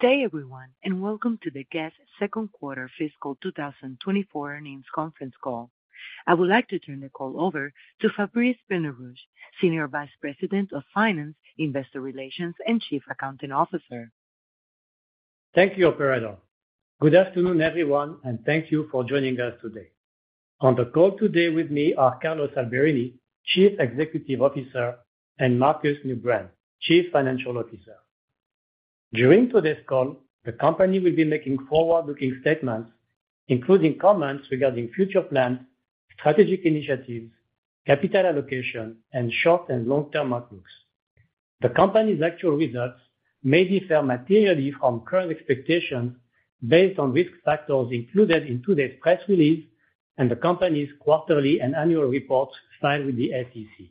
Good day, everyone, welcome to the Guess?? second quarter fiscal 2024 earnings conference call. I would like to turn the call over to Fabrice Benarouche, Senior Vice President of Finance, Investor Relations, and Chief Accounting Officer. Thank you, operator. Good afternoon, everyone, and thank you for joining us today. On the call today with me are Carlos Alberini, Chief Executive Officer, and Markus Neubrand, Chief Financial Officer. During today's call, the company will be making forward-looking statements, including comments regarding future plans, strategic initiatives, capital allocation, and short and long-term outlooks. The company's actual results may differ materially from current expectations based on risk factors included in today's press release and the company's quarterly and annual reports filed with the SEC.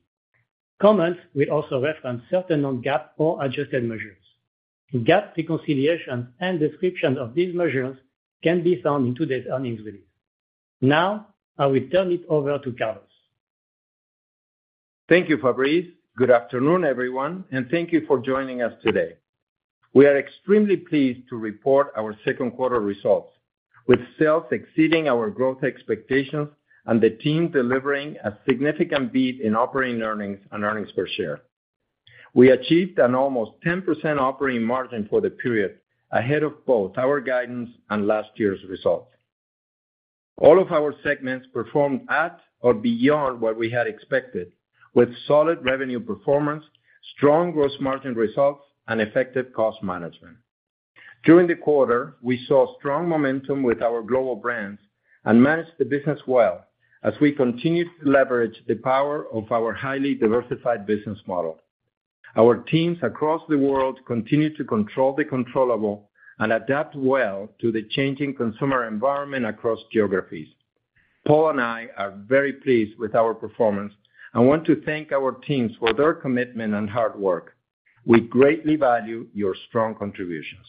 Comments will also reference certain non-GAAP or adjusted measures. GAAP reconciliation and description of these measures can be found in today's earnings release. Now, I will turn it over to Carlos. Thank you, Fabrice. Good afternoon, everyone, and thank you for joining us today. We are extremely pleased to report our second quarter results, with sales exceeding our growth expectations and the team delivering a significant beat in operating earnings and earnings per share. We achieved an almost 10% operating margin for the period, ahead of both our guidance and last year's results. All of our segments performed at or beyond what we had expected, with solid revenue performance, strong gross margin results, and effective cost management. During the quarter, we saw strong momentum with our global brands and managed the business well, as we continued to leverage the power of our highly diversified business model. Our teams across the world continue to control the controllable and adapt well to the changing consumer environment across geographies. Paul and I are very pleased with our performance and want to thank our teams for their commitment and hard work. We greatly value your strong contributions.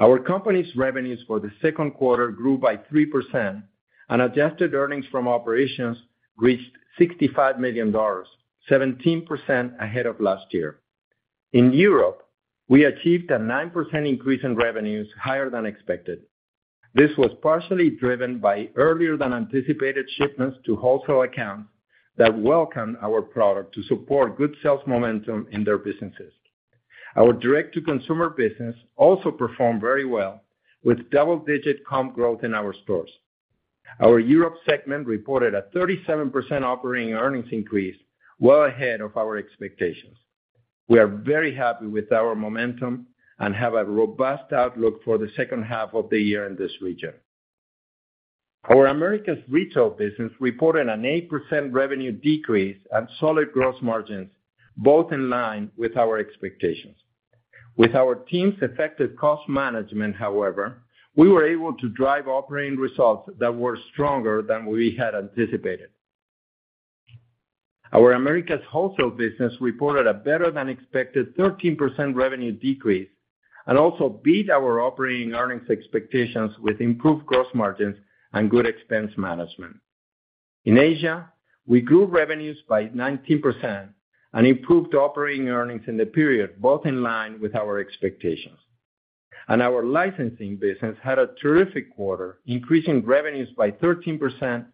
Our company's revenues for the second quarter grew by 3%, and adjusted earnings from operations reached $65 million, 17% ahead of last year. In Europe, we achieved a 9% increase in revenues, higher than expected. This was partially driven by earlier than anticipated shipments to wholesale accounts that welcome our product to support good sales momentum in their businesses. Our direct-to-consumer business also performed very well, with double-digit comp growth in our stores. Our Europe segment reported a 37% operating earnings increase, well ahead of our expectations. We are very happy with our momentum and have a robust outlook for the second half of the year in this region. Our Americas retail business reported an 8% revenue decrease and solid gross margins, both in line with our expectations. With our team's effective cost management, however, we were able to drive operating results that were stronger than we had anticipated. Our Americas wholesale business reported a better-than-expected 13% revenue decrease and also beat our operating earnings expectations with improved gross margins and good expense management. In Asia, we grew revenues by 19% and improved operating earnings in the period, both in line with our expectations. Our licensing business had a terrific quarter, increasing revenues by 13%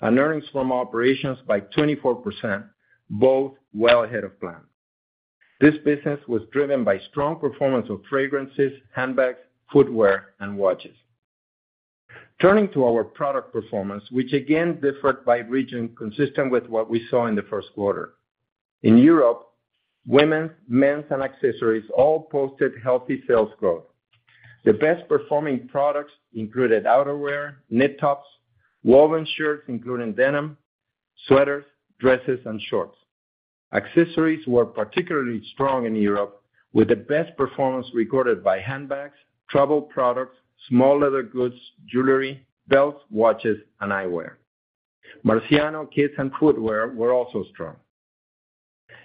and earnings from operations by 24%, both well ahead of plan. This business was driven by strong performance of fragrances, handbags, footwear, and watches. Turning to our product performance, which again differed by region, consistent with what we saw in the first quarter. In Europe, women's, men's, and accessories all posted healthy sales growth. The best performing products included outerwear, knit tops, woven shirts, including denim, sweaters, dresses, and shorts. Accessories were particularly strong in Europe, with the best performance recorded by handbags, travel products, small leather goods, jewelry, belts, watches, and eyewear. Marciano, kids, and footwear were also strong.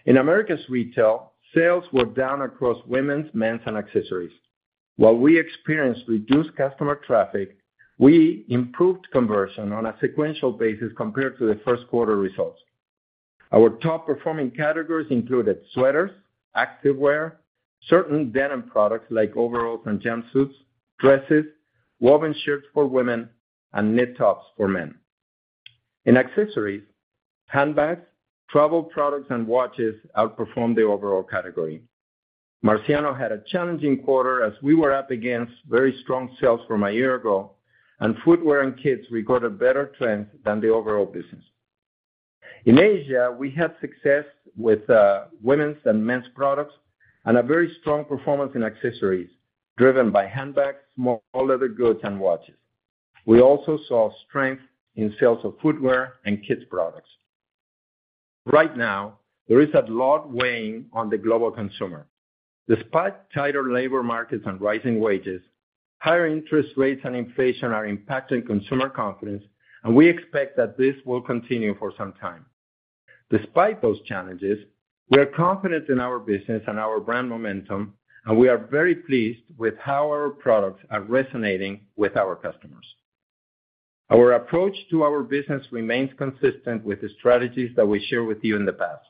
In Americas retail, sales were down across women's, men's, and accessories. While we experienced reduced customer traffic, we improved conversion on a sequential basis compared to the first quarter results. Our top performing categories included sweaters, activewear, certain denim products like overalls and jumpsuits, dresses, woven shirts for women, and knit tops for men. In accessories, handbags, travel products, and watches outperformed the overall category. Marciano had a challenging quarter as we were up against very strong sales from a year ago, and footwear and kids recorded better trends than the overall business. In Asia, we had success with women's and men's products, a very strong performance in accessories, driven by handbags, small leather goods, and watches. We also saw strength in sales of footwear and kids products. Right now, there is a lot weighing on the global consumer. Despite tighter labor markets and rising wages, higher interest rates and inflation are impacting consumer confidence, and we expect that this will continue for some time. Despite those challenges, we are confident in our business and our brand momentum, we are very pleased with how our products are resonating with our customers. Our approach to our business remains consistent with the strategies that we shared with you in the past.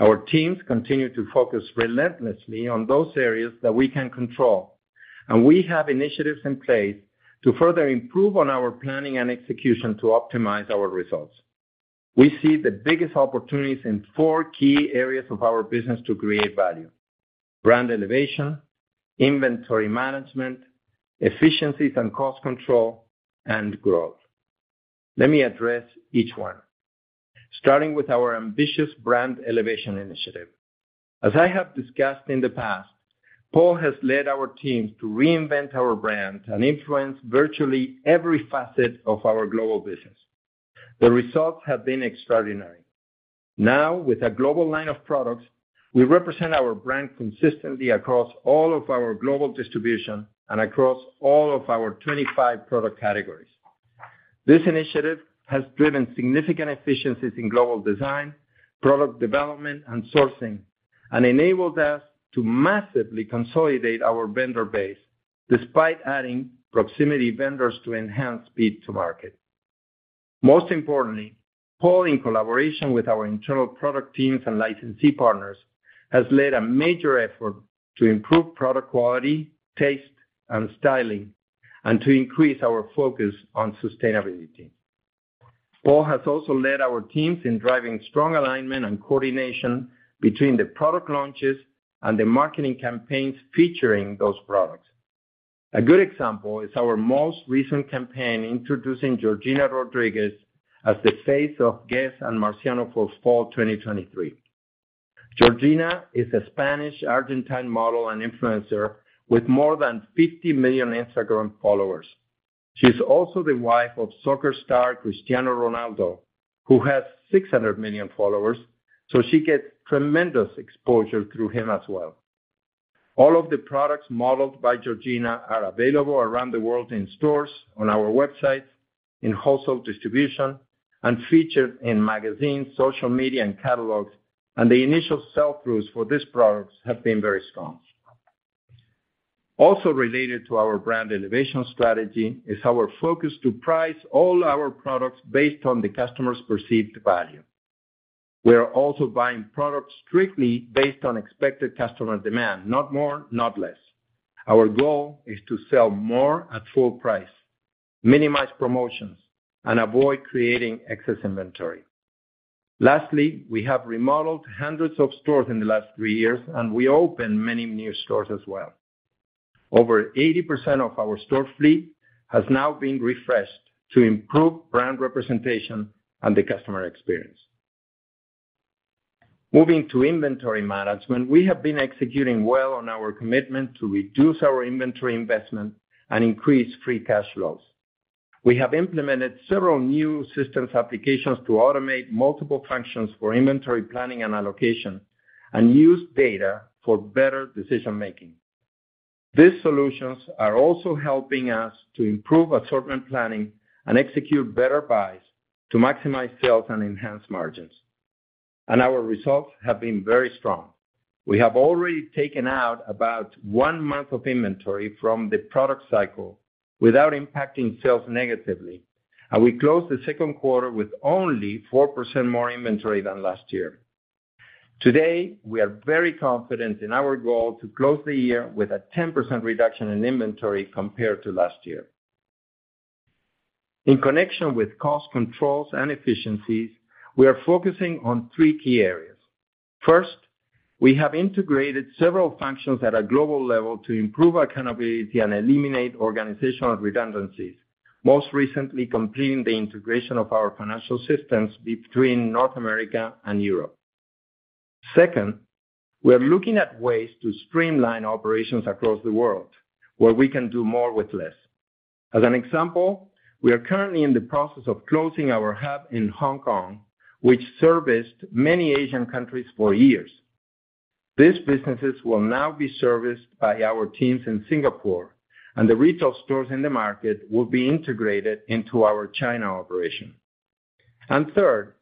Our teams continue to focus relentlessly on those areas that we can control, and we have initiatives in place to further improve on our planning and execution to optimize our results. We see the biggest opportunities in four key areas of our business to create value: brand elevation, inventory management, efficiencies and cost control, and growth. Let me address each one, starting with our ambitious brand elevation initiative. As I have discussed in the past, Paul has led our teams to reinvent our brand and influence virtually every facet of our global business. The results have been extraordinary. Now, with a global line of products, we represent our brand consistently across all of our global distribution and across all of our 25 product categories. This initiative has driven significant efficiencies in global design, product development, and sourcing, and enabled us to massively consolidate our vendor base, despite adding proximity vendors to enhance speed to market. Most importantly, Paul, in collaboration with our internal product teams and licensee partners, has led a major effort to improve product quality, taste, and styling, and to increase our focus on sustainability. Paul has also led our teams in driving strong alignment and coordination between the product launches and the marketing campaigns featuring those products. A good example is our most recent campaign, introducing Georgina Rodríguez as the face of Guess? and Marciano for Fall 2023. Georgina is a Spanish Argentine model and influencer with more than 50 million Instagram followers. She's also the wife of soccer star Cristiano Ronaldo, who has 600 million followers, so she gets tremendous exposure through him as well. All of the products modeled by Georgina are available around the world in stores, on our website, in wholesale distribution, and featured in magazines, social media, and catalogs, and the initial sell-throughs for these products have been very strong. Related to our brand elevation strategy is our focus to price all our products based on the customer's perceived value. We are also buying products strictly based on expected customer demand, not more, not less. Our goal is to sell more at full price, minimize promotions, and avoid creating excess inventory. Lastly, we have remodeled hundreds of stores in the last three years, and we opened many new stores as well. Over 80% of our store fleet has now been refreshed to improve brand representation and the customer experience. Moving to inventory management, we have been executing well on our commitment to reduce our inventory investment and increase free cash flows. We have implemented several new systems applications to automate multiple functions for inventory planning and allocation and use data for better decision-making. These solutions are also helping us to improve assortment planning and execute better buys to maximize sales and enhance margins, and our results have been very strong. We have already taken out about one month of inventory from the product cycle without impacting sales negatively, and we closed the second quarter with only 4% more inventory than last year. Today, we are very confident in our goal to close the year with a 10% reduction in inventory compared to last year. In connection with cost controls and efficiencies, we are focusing on three key areas. First, we have integrated several functions at a global level to improve accountability and eliminate organizational redundancies, most recently completing the integration of our financial systems between North America and Europe. Second, we are looking at ways to streamline operations across the world, where we can do more with less. As an example, we are currently in the process of closing our hub in Hong Kong, which serviced many Asian countries for years. These businesses will now be serviced by our teams in Singapore, and the retail stores in the market will be integrated into our China operation. Third,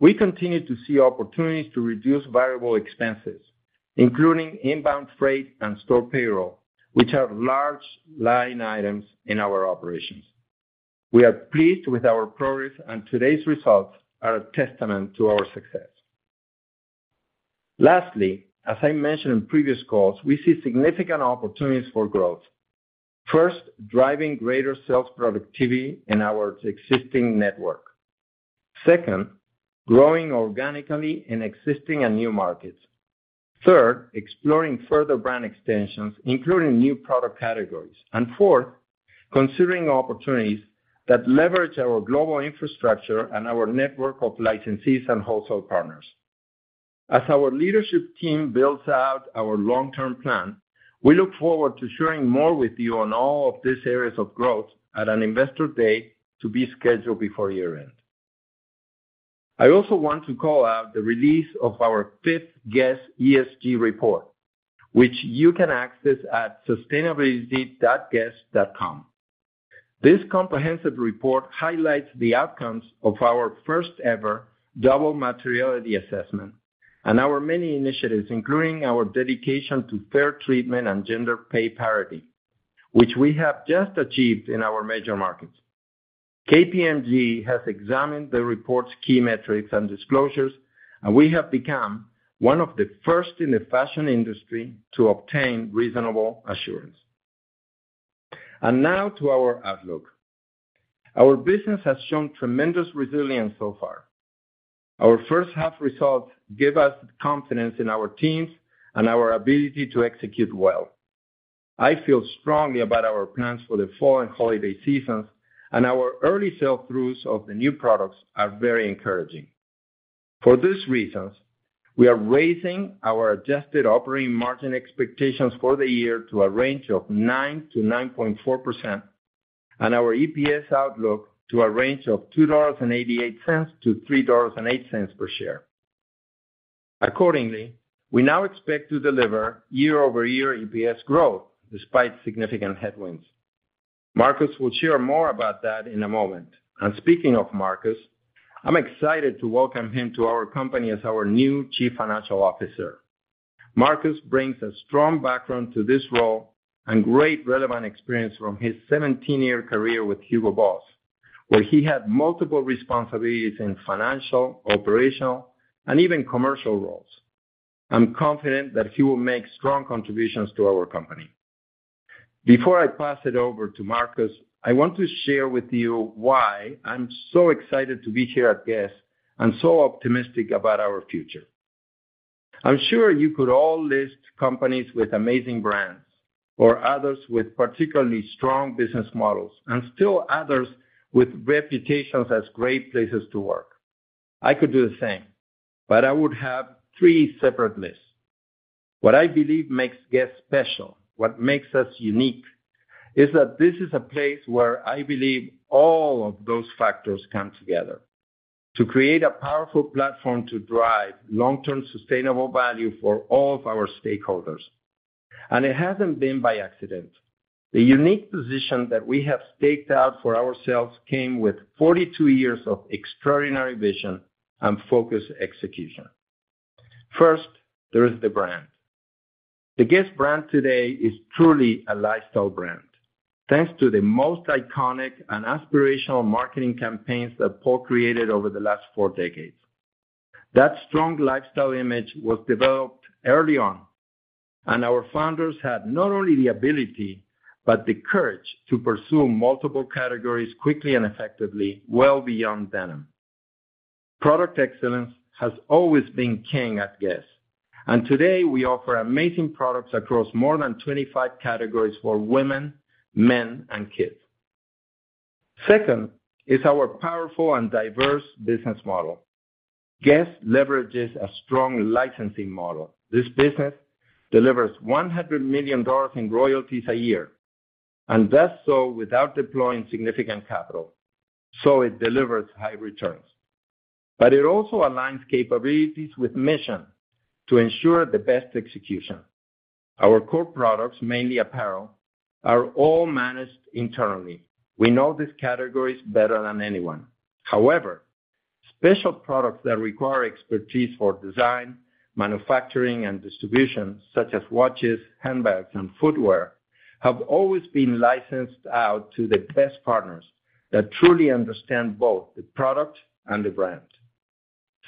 we continue to see opportunities to reduce variable expenses, including inbound freight and store payroll, which are large line items in our operations. We are pleased with our progress, and today's results are a testament to our success. Lastly, as I mentioned in previous calls, we see significant opportunities for growth. First, driving greater sales productivity in our existing network. Second, growing organically in existing and new markets. Third, exploring further brand extensions, including new product categories. Fourth, considering opportunities that leverage our global infrastructure and our network of licensees and wholesale partners. As our leadership team builds out our long-term plan, we look forward to sharing more with you on all of these areas of growth at an investor day to be scheduled before year-end. I also want to call out the release of our fifth Guess? ESG report, which you can access at sustainability.guess.com. This comprehensive report highlights the outcomes of our first-ever double materiality assessment and our many initiatives, including our dedication to fair treatment and gender pay parity, which we have just achieved in our major markets. KPMG has examined the report's key metrics and disclosures, we have become one of the first in the fashion industry to obtain reasonable assurance. Now to our outlook. Our business has shown tremendous resilience so far. Our first half results give us confidence in our teams and our ability to execute well. I feel strongly about our plans for the fall and holiday seasons, our early sell-throughs of the new products are very encouraging. For these reasons, we are raising our adjusted operating margin expectations for the year to a range of 9%-9.4%, our EPS outlook to a range of $2.88-$3.08 per share. Accordingly, we now expect to deliver year-over-year EPS growth despite significant headwinds. Markus will share more about that in a moment. Speaking of Markus, I'm excited to welcome him to our company as our new Chief Financial Officer. Markus brings a strong background to this role and great relevant experience from his 17-year career with Hugo Boss, where he had multiple responsibilities in financial, operational, and even commercial roles. I'm confident that he will make strong contributions to our company. Before I pass it over to Markus, I want to share with you why I'm so excited to be here at Guess?, and so optimistic about our future. I'm sure you could all list companies with amazing brands, or others with particularly strong business models, and still others with reputations as great places to work. I could do the same, but I would have three separate lists. What I believe makes Guess? special, what makes us unique, is that this is a place where I believe all of those factors come together to create a powerful platform to drive long-term sustainable value for all of our stakeholders. It hasn't been by accident. The unique position that we have staked out for ourselves came with 42 years of extraordinary vision and focused execution. First, there is the brand. The Guess? brand today is truly a lifestyle brand, thanks to the most iconic and aspirational marketing campaigns that Paul created over the last four decades. That strong lifestyle image was developed early on. Our founders had not only the ability, but the courage to pursue multiple categories quickly and effectively, well beyond denim. Product excellence has always been king at Guess?. Today we offer amazing products across more than 25 categories for women, men, and kids. Second, is our powerful and diverse business model. Guess? leverages a strong licensing model. This business delivers $100 million in royalties a year, does so without deploying significant capital, it delivers high returns. It also aligns capabilities with mission to ensure the best execution. Our core products, mainly apparel, are all managed internally. We know these categories better than anyone. However, special products that require expertise for design, manufacturing, and distribution, such as watches, handbags, and footwear, have always been licensed out to the best partners that truly understand both the product and the brand.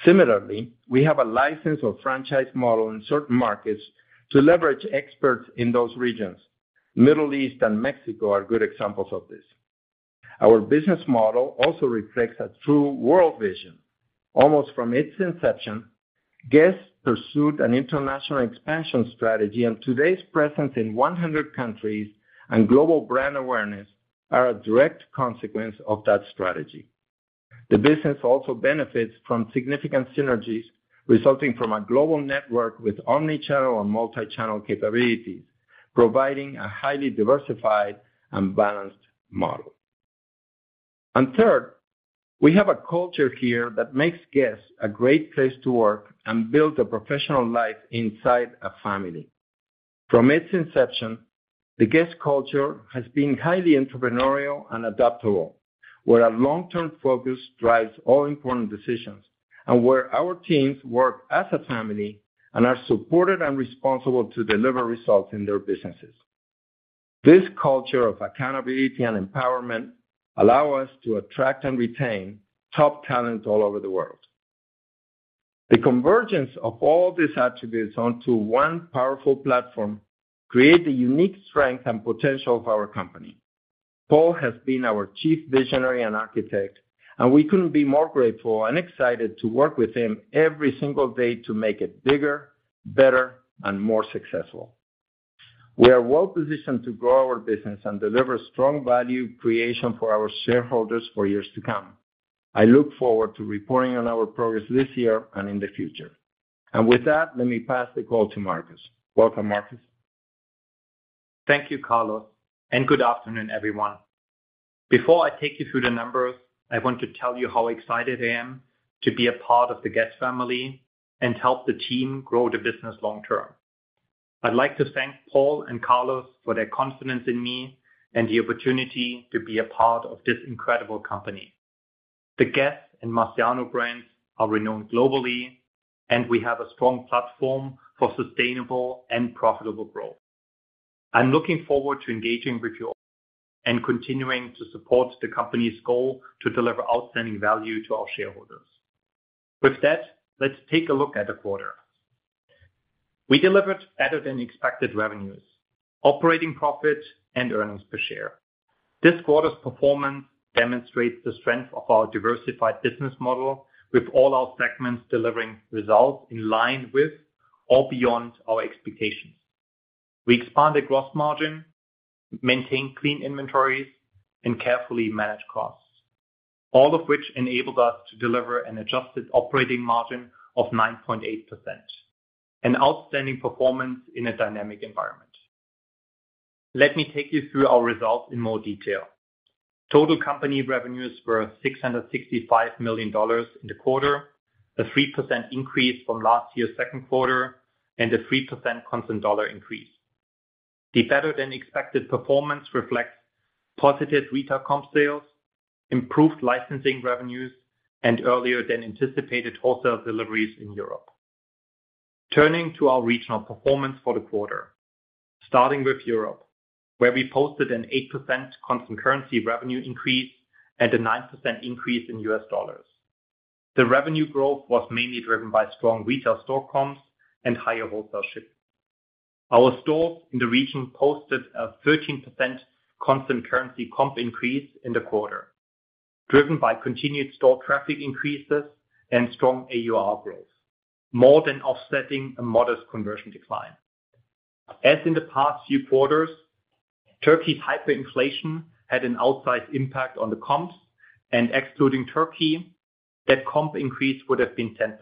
Similarly, we have a license or franchise model in certain markets to leverage experts in those regions. Middle East and Mexico are good examples of this. Our business model also reflects a true World Vision. Almost from its inception, Guess? pursued an international expansion strategy, and today's presence in 100 countries and global brand awareness are a direct consequence of that strategy. The business also benefits from significant synergies resulting from a global network with omni-channel and multi-channel capabilities, providing a highly diversified and balanced model. Third, we have a culture here that makes Guess? a great place to work and build a professional life inside a family. From its inception, the Guess? culture has been highly entrepreneurial and adaptable, where a long-term focus drives all important decisions, and where our teams work as a family and are supported and responsible to deliver results in their businesses. This culture of accountability and empowerment allow us to attract and retain top talent all over the world. The convergence of all these attributes onto one powerful platform create the unique strength and potential of our company. Paul has been our chief visionary and architect, and we couldn't be more grateful and excited to work with him every single day to make it bigger, better, and more successful. We are well positioned to grow our business and deliver strong value creation for our shareholders for years to come. I look forward to reporting on our progress this year and in the future. With that, let me pass the call to Markus. Welcome, Markus. Thank you, Carlos, and good afternoon, everyone. Before I take you through the numbers, I want to tell you how excited I am to be a part of the Guess? family and help the team grow the business long term. I'd like to thank Paul and Carlos for their confidence in me and the opportunity to be a part of this incredible company. The Guess? and Marciano brands are renowned globally, and we have a strong platform for sustainable and profitable growth. I'm looking forward to engaging with you and continuing to support the company's goal to deliver outstanding value to our shareholders. With that, let's take a look at the quarter. We delivered better than expected revenues, operating profit, and earnings per share. This quarter's performance demonstrates the strength of our diversified business model, with all our segments delivering results in line with or beyond our expectations. We expanded gross margin, maintained clean inventories, and carefully managed costs, all of which enabled us to deliver an adjusted operating margin of 9.8%, an outstanding performance in a dynamic environment. Let me take you through our results in more detail. Total company revenues were $665 million in the quarter, a 3% increase from last year's second quarter, and a 3% constant dollar increase. The better-than-expected performance reflects positive retail comp sales, improved licensing revenues, and earlier than anticipated wholesale deliveries in Europe. Turning to our regional performance for the quarter, starting with Europe, where we posted an 8% constant currency revenue increase and a 9% increase in U.S. dollars. The revenue growth was mainly driven by strong retail store comps and higher wholesale shipping. Our stores in the region posted a 13% constant currency comp increase in the quarter, driven by continued store traffic increases and strong AUR growth, more than offsetting a modest conversion decline. As in the past few quarters, Turkey's hyperinflation had an outsized impact on the comps. Excluding Turkey, that comp increase would have been 10%.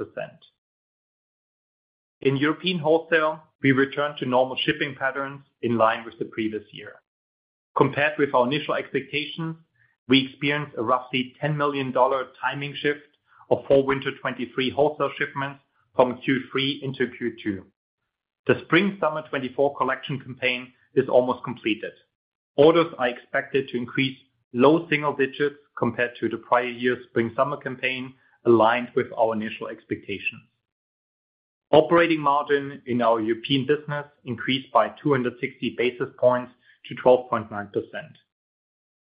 In European wholesale, we returned to normal shipping patterns in line with the previous year. Compared with our initial expectations, we experienced a roughly $10 million timing shift of Fall/Winter 2023 wholesale shipments from Q3 into Q2. The Spring/Summer 2024 collection campaign is almost completed. Orders are expected to increase low single digits compared to the prior year's Spring/Summer campaign, aligned with our initial expectations. Operating margin in our European business increased by 260 basis points to 12.9%.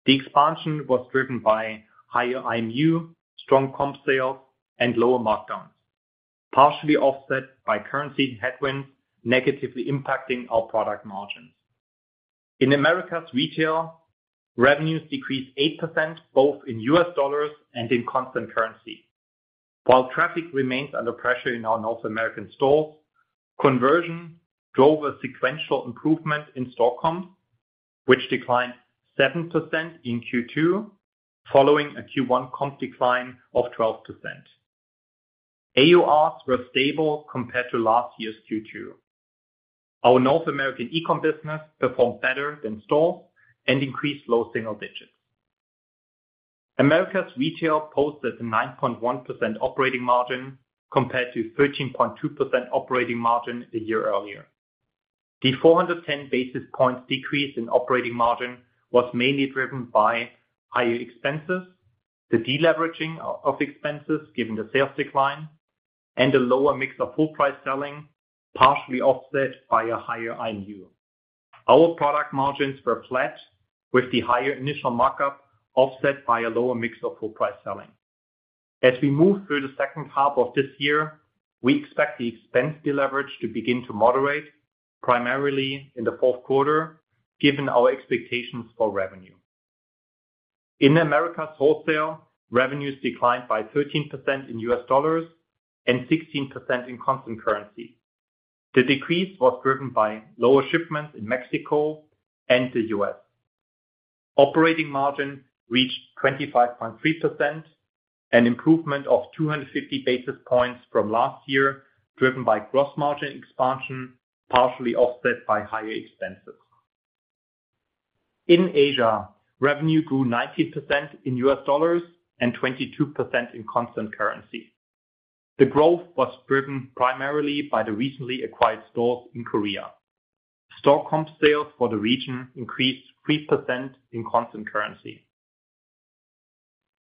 The expansion was driven by higher IMU, strong comp sales, and lower markdowns, partially offset by currency headwinds negatively impacting our product margins. In Americas Retail, revenues decreased 8%, both in U.S. dollars and in constant currency. While traffic remains under pressure in our North American stores, conversion drove a sequential improvement in store comp, which declined 7% in Q2, following a Q1 comp decline of 12%. AURs were stable compared to last year's Q2. Our North American e-com business performed better than stores and increased low single digits. Americas Retail posted a 9.1 operating margin, compared to 13.2% operating margin a year earlier. The 410 basis points decrease in operating margin was mainly driven by higher expenses, the deleveraging of expenses given the sales decline, and a lower mix of full price selling, partially offset by a higher IMU. Our product margins were flat, with the higher initial markup offset by a lower mix of full price selling. As we move through the second half of this year, we expect the expense deleverage to begin to moderate, primarily in the fourth quarter, given our expectations for revenue. In Americas wholesale, revenues declined by 13% in U.S. dollars and 16% in constant currency. The decrease was driven by lower shipments in Mexico and the U.S. Operating margin reached 25.3%, an improvement of 250 basis points from last year, driven by gross margin expansion, partially offset by higher expenses. In Asia, revenue grew 19% in U.S. dollars and 22% in constant currency. The growth was driven primarily by the recently acquired stores in Korea. Store comp sales for the region increased 3% in constant currency.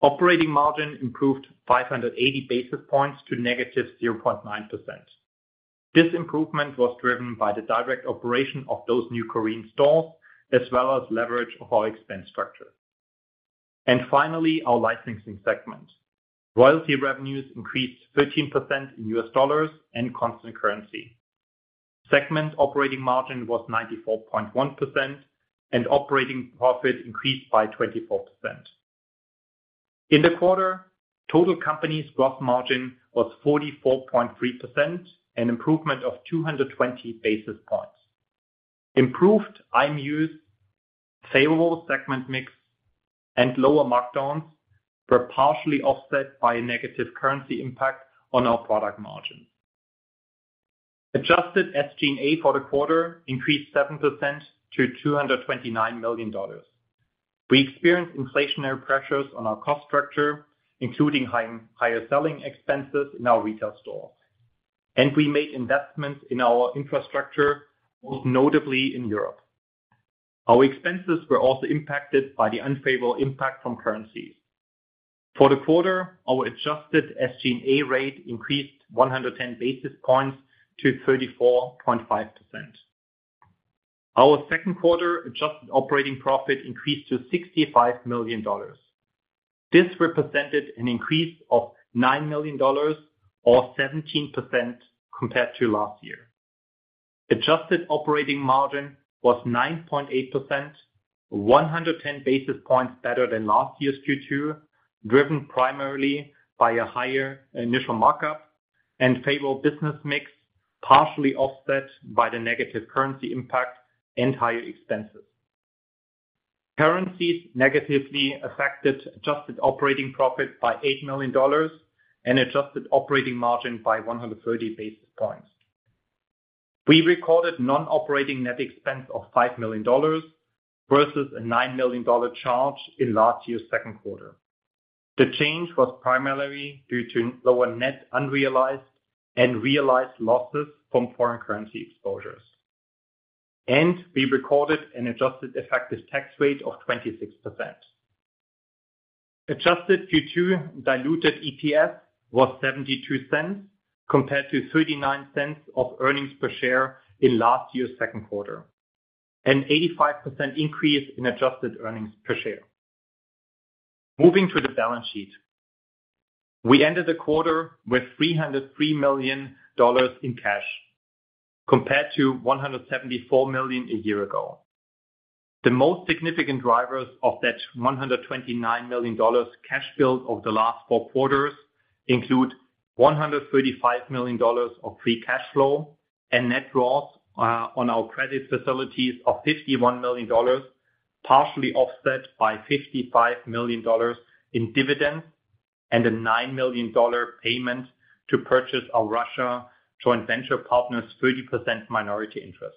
Operating margin improved 580 basis points to -0.9%. This improvement was driven by the direct operation of those new Korean stores, as well as leverage of our expense structure. Finally, our licensing segment. Royalty revenues increased 13% in U.S. dollars and constant currency. Segment operating margin was 94.1%, and operating profit increased by 24%. In the quarter, total company's gross margin was 44.3%, an improvement of 220 basis points. Improved IMUs, favorable segment mix, and lower markdowns were partially offset by a negative currency impact on our product margins. Adjusted SG&A for the quarter increased 7% to $229 million. We experienced inflationary pressures on our cost structure, including higher selling expenses in our retail stores, and we made investments in our infrastructure, most notably in Europe. Our expenses were also impacted by the unfavorable impact from currencies. For the quarter, our adjusted SG&A rate increased 110 basis points to 34.5%. Our second quarter adjusted operating profit increased to $65 million. This represented an increase of $9 million or 17% compared to last year. Adjusted operating margin was 9.8%, 110 basis points better than last year's Q2, driven primarily by a higher initial markup and favorable business mix, partially offset by the negative currency impact and higher expenses. Currencies negatively affected adjusted operating profit by $8 million and adjusted operating margin by 130 basis points. We recorded non-operating net expense of $5 million versus a $9 million charge in last year's second quarter. The change was primarily due to lower net unrealized and realized losses from foreign currency exposures, we recorded an adjusted effective tax rate of 26%. Adjusted Q2 diluted EPS was $0.72, compared to $0.39 of earnings per share in last year's second quarter, an 85% increase in adjusted earnings per share. Moving to the balance sheet. We ended the quarter with $303 million in cash, compared to $174 million a year ago. The most significant drivers of that $129 million cash build over the last four quarters include $135 million of free cash flow and net draws on our credit facilities of $51 million, partially offset by $55 million in dividends and a $9 million payment to purchase our Russia joint venture partner's 30% minority interest.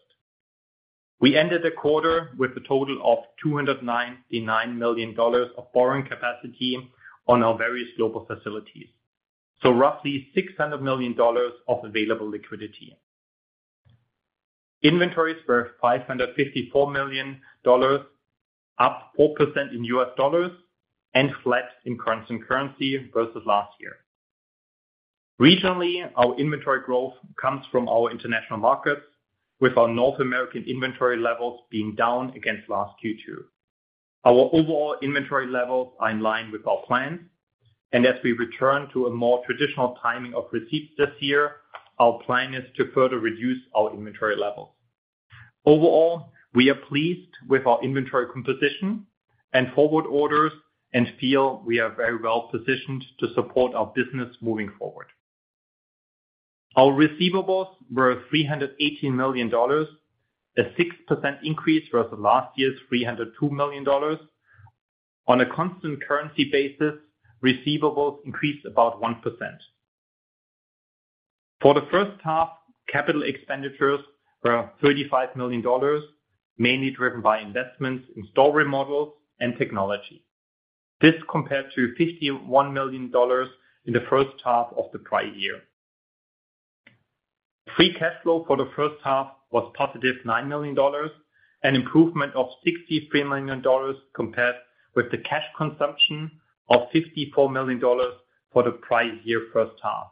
We ended the quarter with a total of $299 million of borrowing capacity on our various global facilities, roughly $600 million of available liquidity. Inventories were $554 million, up 4% in U.S. dollars and flat in constant currency versus last year. Recently, our inventory growth comes from our international markets, with our North American inventory levels being down against last Q2. Our overall inventory levels are in line with our plan, and as we return to a more traditional timing of receipts this year, our plan is to further reduce our inventory levels. Overall, we are pleased with our inventory composition and forward orders, and feel we are very well positioned to support our business moving forward. Our receivables were $318 million, a 6% increase versus last year's $302 million. On a constant currency basis, receivables increased about 1%. For the first half, capital expenditures were $35 million, mainly driven by investments in store remodels and technology. This compared to $51 million in the first half of the prior year. Free cash flow for the first half was positive $9 million, an improvement of $63 million compared with the cash consumption of $54 million for the prior year first half.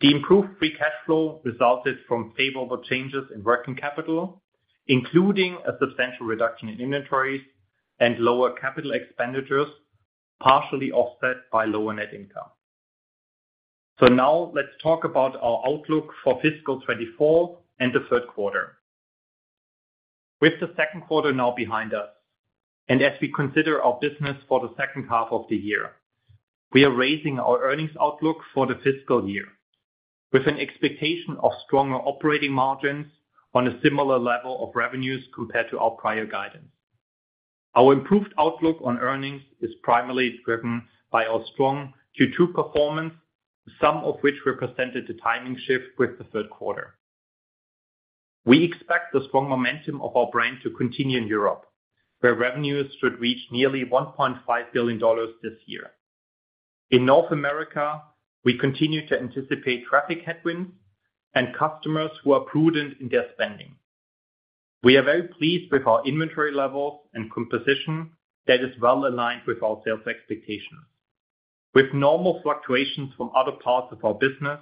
The improved free cash flow resulted from favorable changes in working capital, including a substantial reduction in inventories and lower capital expenditures, partially offset by lower net income. Now, let's talk about our outlook for fiscal 2024 and the third quarter. With the second quarter now behind us, and as we consider our business for the second half of the year, we are raising our earnings outlook for the fiscal year with an expectation of stronger operating margins on a similar level of revenues compared to our prior guidance. Our improved outlook on earnings is primarily driven by our strong Q2 performance, some of which represented a timing shift with the third quarter. We expect the strong momentum of our brand to continue in Europe, where revenues should reach nearly $1.5 billion this year. In North America, we continue to anticipate traffic headwinds and customers who are prudent in their spending. We are very pleased with our inventory levels and composition that is well aligned with our sales expectations. With normal fluctuations from other parts of our business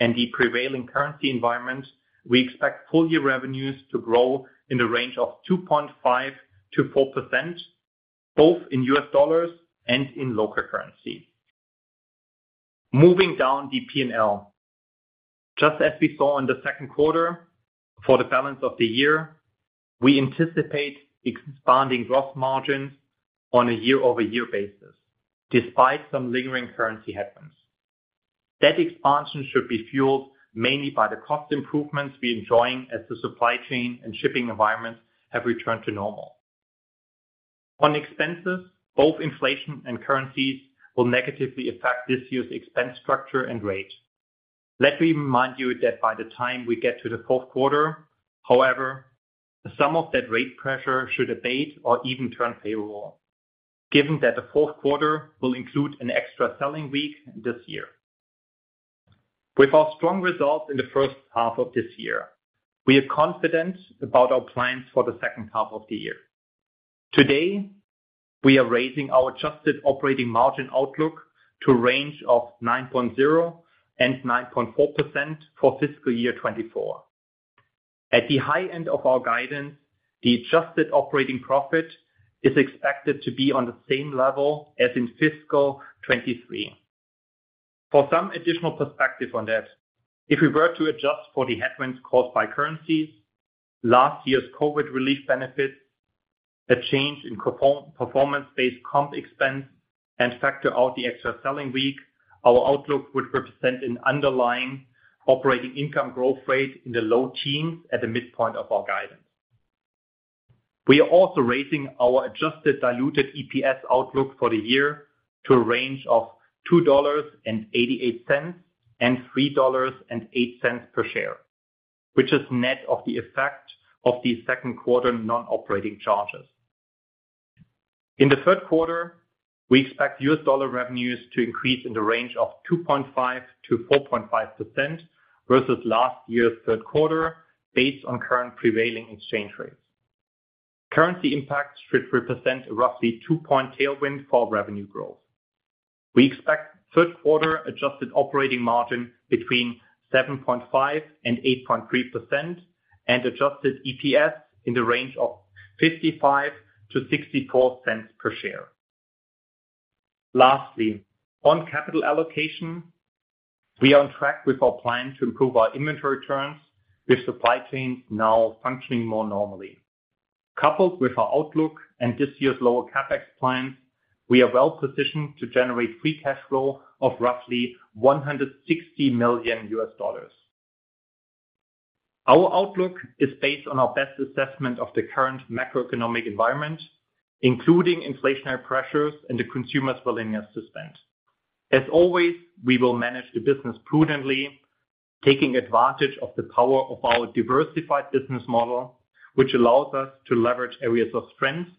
and the prevailing currency environment, we expect full-year revenues to grow in the range of 2.5%-4%, both in U.S. dollars and in local currency. Moving down the P&L, just as we saw in the second quarter, for the balance of the year, we anticipate expanding gross margins on a year-over-year basis, despite some lingering currency headwinds. That expansion should be fueled mainly by the cost improvements we enjoying as the supply chain and shipping environments have returned to normal. On expenses, both inflation and currencies will negatively affect this year's expense structure and rate. Let me remind you that by the time we get to the fourth quarter, however, some of that rate pressure should abate or even turn favorable, given that the fourth quarter will include an extra selling week this year. With our strong results in the first half of this year, we are confident about our plans for the second half of the year. Today, we are raising our adjusted operating margin outlook to a range of 9.0%-9.4% for fiscal 2024. At the high end of our guidance, the adjusted operating profit is expected to be on the same level as in fiscal 2023. For some additional perspective on that, if we were to adjust for the headwinds caused by currencies, last year's COVID relief benefits, a change in performance-based comp expense, and factor out the extra selling week, our outlook would represent an underlying operating income growth rate in the low teens at the midpoint of our guidance. We are also raising our adjusted diluted EPS outlook for the year to a range of $2.88-$3.08 per share, which is net of the effect of the second quarter non-operating charges. In the third quarter, we expect U.S. dollar revenues to increase in the range of 2.5%-4.5% versus last year's third quarter, based on current prevailing exchange rates. Currency impacts should represent a roughly two point tailwind for revenue growth. We expect third quarter adjusted operating margin between 7.5%-8.3% and adjusted EPS in the range of $0.55-$0.64 per share. Lastly, on capital allocation, we are on track with our plan to improve our inventory turns, with supply chains now functioning more normally. Coupled with our outlook and this year's lower CapEx plans, we are well positioned to generate free cash flow of roughly $160 million. Our outlook is based on our best assessment of the current macroeconomic environment, including inflationary pressures and the consumer's willingness to spend. As always, we will manage the business prudently, taking advantage of the power of our diversified business model, which allows us to leverage areas of strength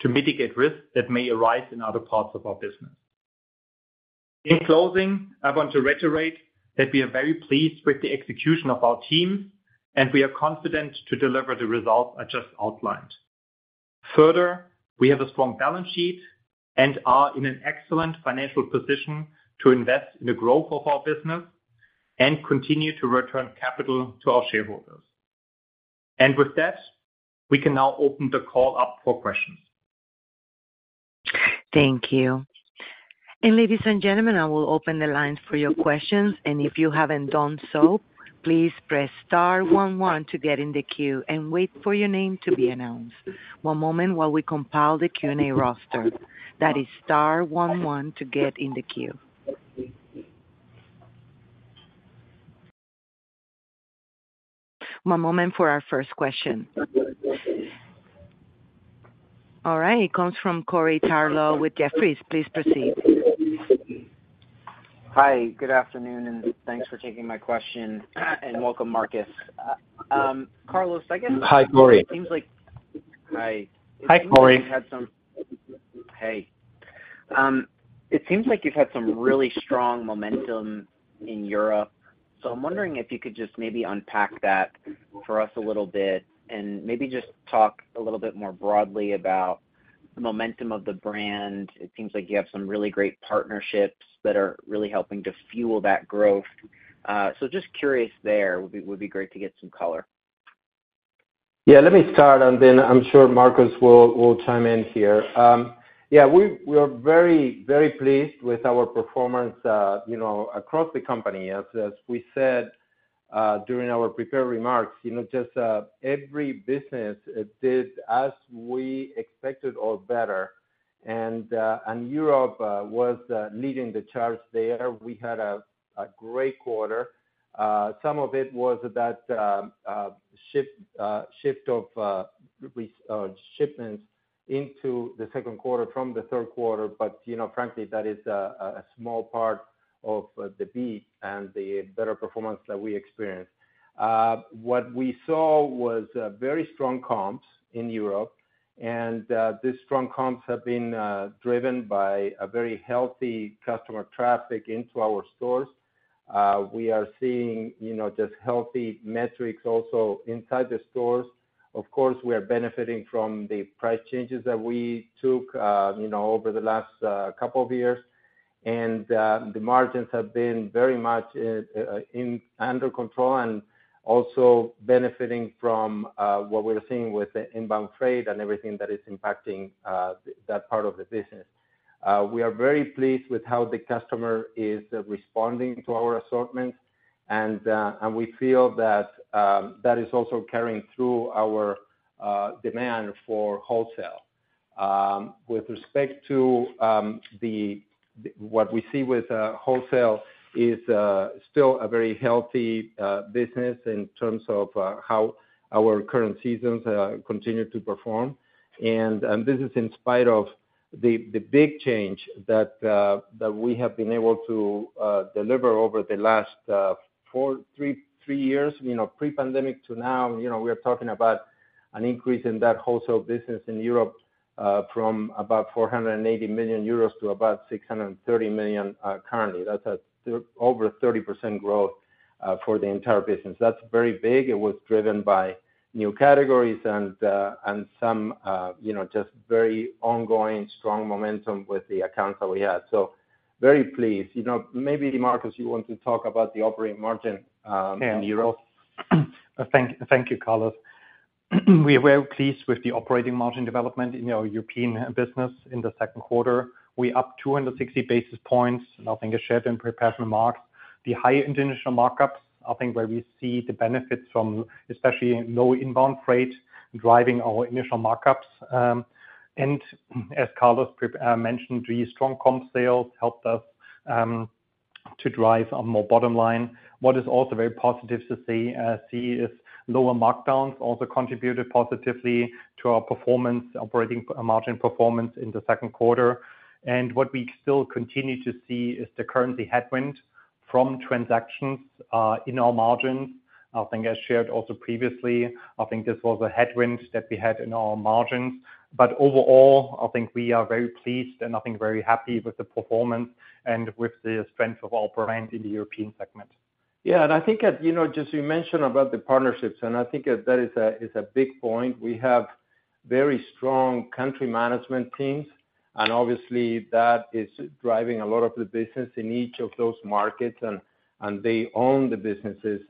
to mitigate risks that may arise in other parts of our business. In closing, I want to reiterate that we are very pleased with the execution of our teams. We are confident to deliver the results I just outlined. Further, we have a strong balance sheet and are in an excellent financial position to invest in the growth of our business and continue to return capital to our shareholders. With that, we can now open the call up for questions. Thank you. Ladies and gentlemen, I will open the lines for your questions, and if you haven't done so, please press star 11 to get in the queue and wait for your name to be announced. One moment while we compile the Q&A roster. That is star 11 to get in the queue. One moment for our first question. All right, it comes from Corey Tarlowe with Jefferies. Please proceed. Hi, good afternoon. Thanks for taking my question. Welcome, Markus. Uhmm Carlos, Hi, Corey. It seems like, hi. Hi, Corey. Hey. It seems like you've had some really strong momentum in Europe, I'm wondering if you could just maybe unpack that for us a little bit and maybe just talk a little bit more broadly about the momentum of the brand. It seems like you have some really great partnerships that are really helping to fuel that growth. Just curious there, would be, would be great to get some color. Yeah, let me start, and then I'm sure Marcus will, will chime in here. Yeah, we, we are very, very pleased with our performance, you know, across the company. As, as we said, during our prepared remarks, you know, just every business, it did as we expected or better, Europe was leading the charge there. We had a great quarter. Some of it was that shift, shift of shipments into the second quarter from the third quarter. You know, frankly, that is a small part of the beat and the better performance that we experienced. What we saw was very strong comps in Europe, these strong comps have been driven by a very healthy customer traffic into our stores. We are seeing, you know, just healthy metrics also inside the stores. Of course, we are benefiting from the price changes that we took, you know, over the last couple of years. The margins have been very much in under control and also benefiting from what we're seeing with the inbound freight and everything that is impacting th- that part of the business. We are very pleased with how the customer is responding to our assortment, and and we feel that that is also carrying through our demand for wholesale. With respect to the, the-- what we see with wholesale is still a very healthy business in terms of how our current seasons continue to perform. This is in spite of- -the big change that we have been able to deliver over the last three years, you know, pre-pandemic to now, you know, we are talking about an increase in that wholesale business in Europe, from about 480 million euros to about 630 million currently. That's over 30% growth for the entire business. That's very big. It was driven by new categories and some, you know, just very ongoing strong momentum with the accounts that we had. Very pleased. You know, maybe, Markus, you want to talk about the operating margin in Europe? Thank you, Carlos. We are very pleased with the operating margin development in our European business in the second quarter. We're up 260 basis points, I think I shared in prepared remarks. The high initial markups, where we see the benefits from, especially low inbound freight, driving our initial markups. As Carlos mentioned, the strong comp sales helped us to drive on more bottom line. What is also very positive to see, is lower markdowns also contributed positively to our performance, operating margin performance in the second quarter. What we still continue to see is the currency headwind from transactions in our margins. I think I shared also previously, this was a headwind that we had in our margins. Overall, I think we are very pleased and I think very happy with the performance and with the strength of our brand in the European segment. Yeah, I think that, you know, just you mentioned about the partnerships, and I think that is a big point. We have very strong country management teams, and obviously, that is driving a lot of the business in each of those markets, and they own the businesses.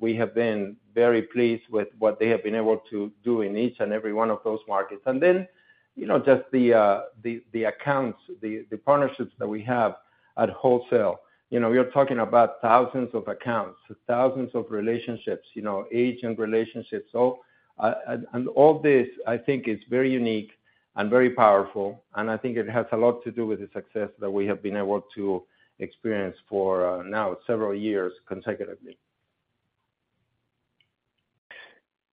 We have been very pleased with what they have been able to do in each and every one of those markets. Then, you know, just the accounts, the partnerships that we have at wholesale. You know, we are talking about thousands of accounts, thousands of relationships, you know, agent relationships. All this, I think, is very unique and very powerful, and I think it has a lot to do with the success that we have been able to experience for now several years consecutively.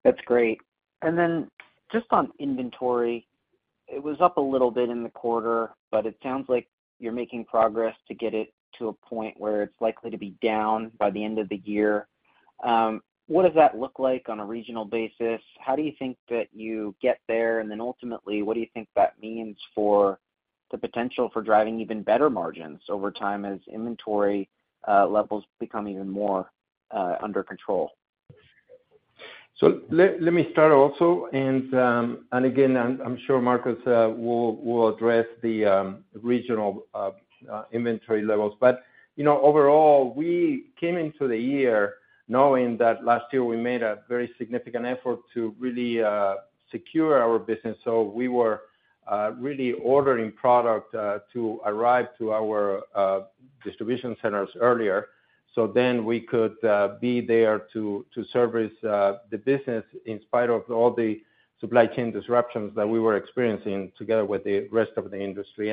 That's great. Then just on inventory, it was up a little bit in the quarter, but it sounds like you're making progress to get it to a point where it's likely to be down by the end of the year. What does that look like on a regional basis? How do you think that you get there? Then ultimately, what do you think that means for the potential for driving even better margins over time as inventory levels become even more under control? Let me start also, and again, I'm sure Markus will address the regional inventory levels. You know, overall, we came into the year knowing that last year we made a very significant effort to really secure our business. We were really ordering product to arrive to our distribution centers earlier, so then we could be there to service the business in spite of all the supply chain disruptions that we were experiencing together with the rest of the industry.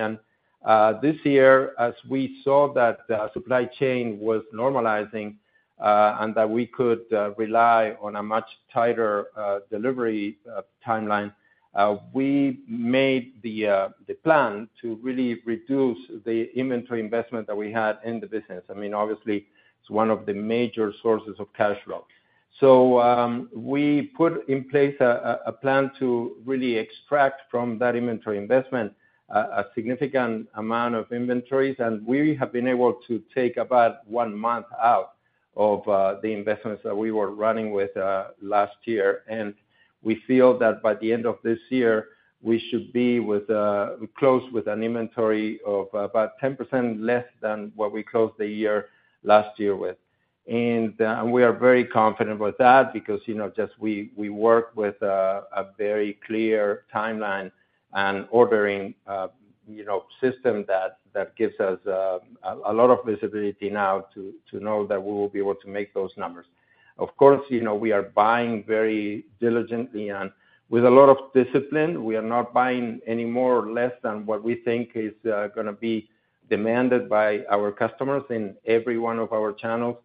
This year, as we saw that the supply chain was normalizing, and that we could rely on a much tighter delivery timeline, we made the plan to really reduce the inventory investment that we had in the business. I mean, obviously, it's one of the major sources of cash flow. We put in place a plan to really extract from that inventory investment, a significant amount of inventories, and we have been able to take about 1 month out of the investments that we were running with last year. We feel that by the end of this year, we should be with close with an inventory of about 10% less than what we closed the year last year with. We are very confident with that because, you know, just we work with a very clear timeline and ordering, you know, system that gives us a lot of visibility now to know that we will be able to make those numbers. Of course, you know, we are buying very diligently and with a lot of discipline. We are not buying any more or less than what we think is, gonna be demanded by our customers in every one of our channels.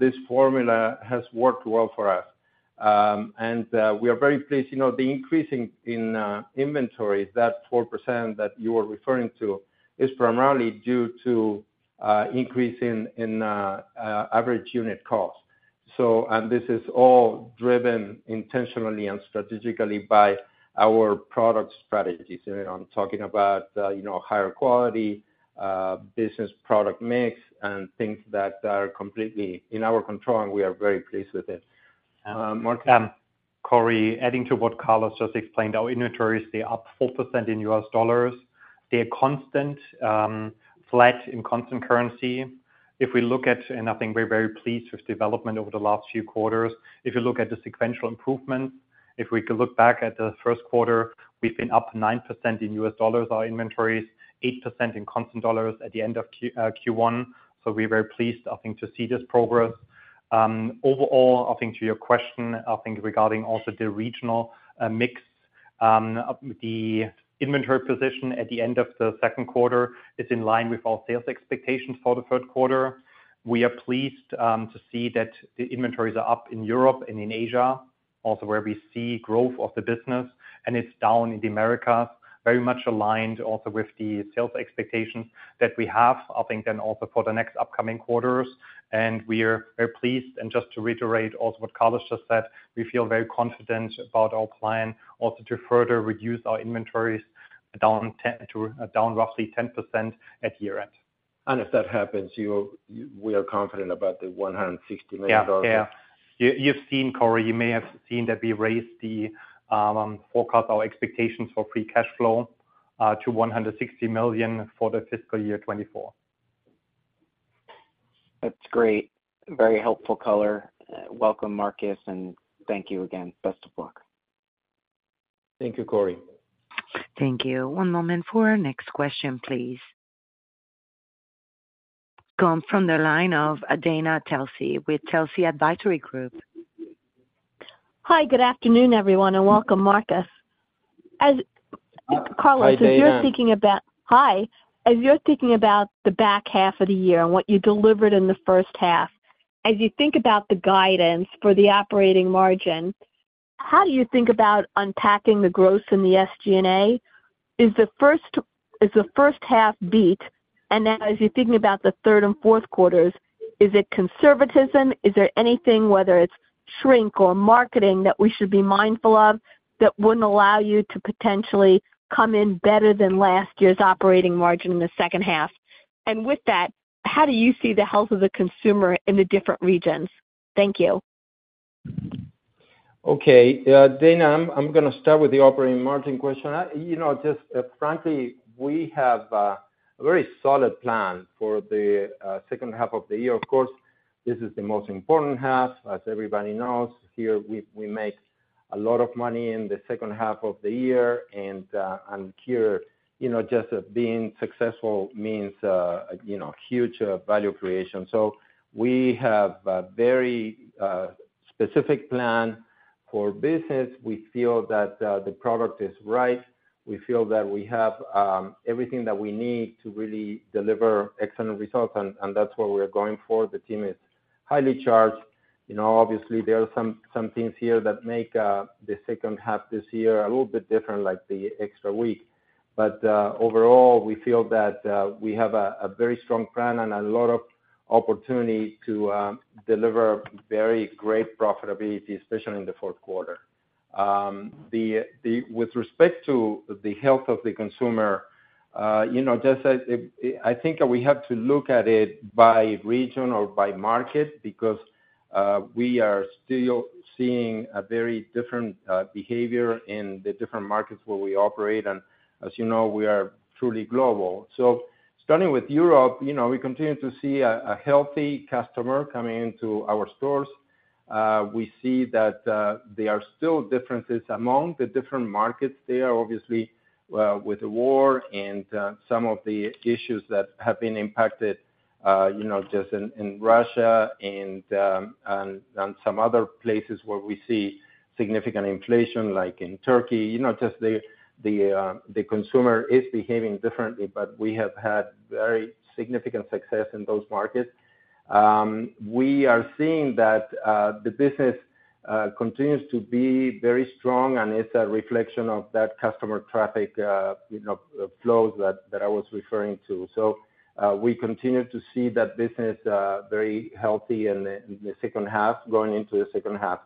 This formula has worked well for us. We are very pleased. You know, the increase in, in, inventory, that 4% that you are referring to, is primarily due to, increase in, in, average unit cost. This is all driven intentionally and strategically by our product strategies. You know, I'm talking about, you know, higher quality, business product mix, and things that are completely in our control, and we are very pleased with it. Markus? Corey, adding to what Carlos just explained, our inventories, they are up 4% in U.S. dollars. They are constant, flat in constant currency. If we look at, I think we're very pleased with development over the last few quarters, if you look at the sequential improvements, if we could look back at the first quarter, we've been up 9% in U.S. dollars, our inventories, 8% in constant dollars at the end of Q1. We're very pleased, I think, to see this progress. Overall, I think to your question, I think regarding also the regional mix, the inventory position at the end of the second quarter is in line with our sales expectations for the third quarter. We are pleased, to see that the inventories are up in Europe and in Asia, also where we see growth of the business, and it's down in the Americas, very much aligned also with the sales expectations that we have, I think, then also for the next upcoming quarters. We are very pleased, and just to reiterate also what Carlos just said, we feel very confident about our plan also to further reduce our inventories down 10- to, down roughly 10% at year-end. If that happens, we are confident about the $160 million? Yeah, yeah. You, you've seen, Corey, you may have seen that we raised the forecast our expectations for free cash flow to $160 million for the fiscal year 2024. That's great. Very helpful color. Welcome, Markus, and thank you again. Best of luck. Thank you, Corey. Thank you. One moment for our next question, please. Come from the line of Dana Telsey with Telsey Advisory Group. Hi, good afternoon, everyone. Welcome, Marcus. As Carlos- Hi, Dana. Hi. As you're thinking about the back half of the year and what you delivered in the first half, as you think about the guidance for the operating margin, how do you think about unpacking the growth in the SG&A? Is the first half beat, and then as you're thinking about the third and fourth quarters, is it conservatism? Is there anything, whether it's shrink or marketing, that we should be mindful of, that wouldn't allow you to potentially come in better than last year's operating margin in the second half? With that, how do you see the health of the consumer in the different regions? Thank you. Okay, Dana, I'm, I'm gonna start with the operating margin question. You know, just, frankly, we have a very solid plan for the second half of the year. Of course, this is the most important half, as everybody knows, here we, we make a lot of money in the second half of the year, and here, you know, just, being successful means, you know, huge value creation. We have a very specific plan for business. We feel that the product is right. We feel that we have everything that we need to really deliver excellent results, and that's what we're going for. The team is highly charged. You know, obviously, there are some, some things here that make the second half this year a little bit different, like the extra week. Overall, we feel that we have a very strong plan and a lot of opportunity to deliver very great profitability, especially in the fourth quarter. With respect to the health of the consumer, you know, just as, I think we have to look at it by region or by market, because we are still seeing a very different behavior in the different markets where we operate, and as you know, we are truly global. Starting with Europe, you know, we continue to see a healthy customer coming into our stores. We see that there are still differences among the different markets. There are obviously, with the war and some of the issues that have been impacted, you know, just in Russia and some other places where we see significant inflation, like in Turkey, you know, just the consumer is behaving differently. We have had very significant success in those markets. We are seeing that the business continues to be very strong, and it's a reflection of that customer traffic, you know, flows that I was referring to. We continue to see that business very healthy in the second half, going into the second half.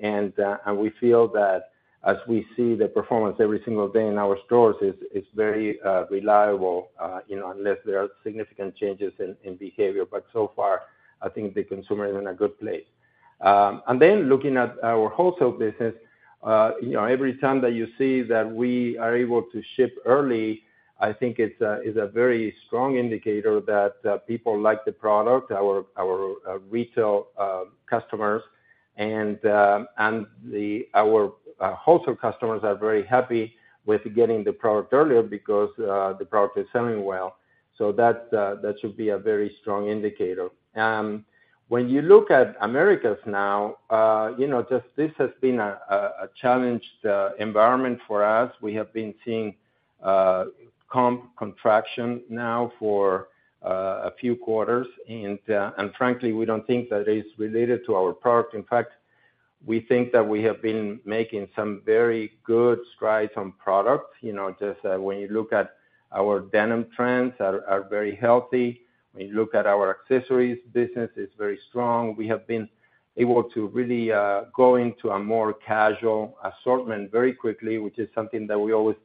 We feel that as we see the performance every single day in our stores, is very reliable, you know, unless there are significant changes in behavior. So far, I think the consumer is in a good place. And then looking at our wholesale business, you know, every time that you see that we are able to ship early, I think it's a, it's a very strong indicator that people like the product, our, our, retail customers, and, and the, our, wholesale customers are very happy with getting the product earlier because the product is selling well. So that, that should be a very strong indicator. When you look at Americas now, you know, just this has been a, a, a challenged environment for us. We have been seeing comp contraction now for a few quarters, and, and frankly, we don't think that it's related to our product. In fact, we think that we have been making some very good strides on products. You know, just, when you look at our denim trends are, are very healthy. When you look at our accessories business, it's very strong. We have been able to really, go into a more casual assortment very quickly, which is something that we always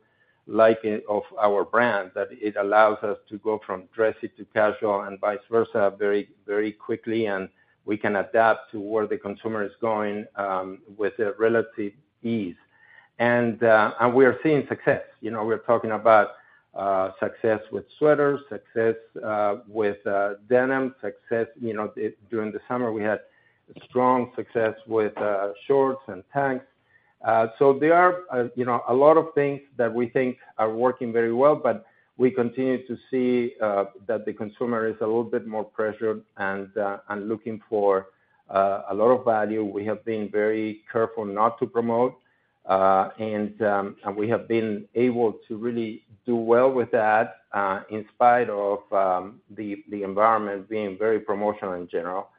like it of our brand, that it allows us to go from dressy to casual and vice versa, very, very quickly, and we can adapt to where the consumer is going, with a relative ease. And we are seeing success. You know, we're talking about, success with sweaters, success, with, denim, success, you know, during the summer, we had strong success with, shorts and tanks. There are, you know, a lot of things that we think are working very well, but we continue to see that the consumer is a little bit more pressured and looking for a lot of value. We have been very careful not to promote. And we have been able to really do well with that, in spite of the environment being very promotional in general.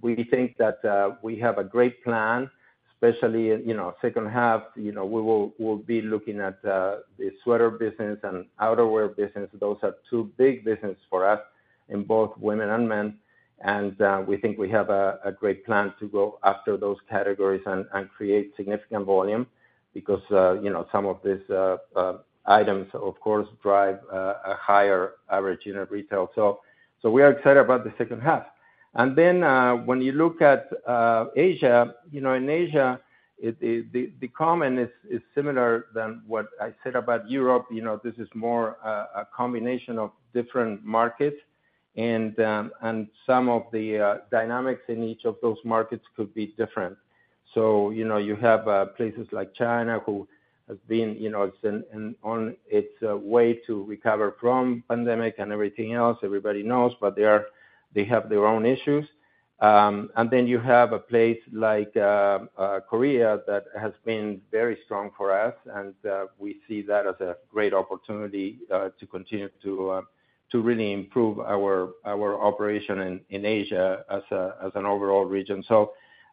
We think that we have a great plan, especially, you know, second half, you know, we will, we'll be looking at the sweater business and outerwear business. Those are two big businesses for us in both women and men, and we think we have a great plan to go after those categories and, and create significant volume because, you know, some of these items, of course, drive a higher average unit retail. So we are excited about the second half. When you look at Asia, you know, in Asia, the comment is similar than what I said about Europe. You know, this is more a combination of different markets, and some of the dynamics in each of those markets could be different. You know, you have places like China, who have been, you know, it's in, in, on its way to recover from pandemic and everything else, everybody knows, but they are-- they have their own issues. Then you have a place like Korea that has been very strong for us, and we see that as a great opportunity to continue to really improve our operation in Asia as an overall region. You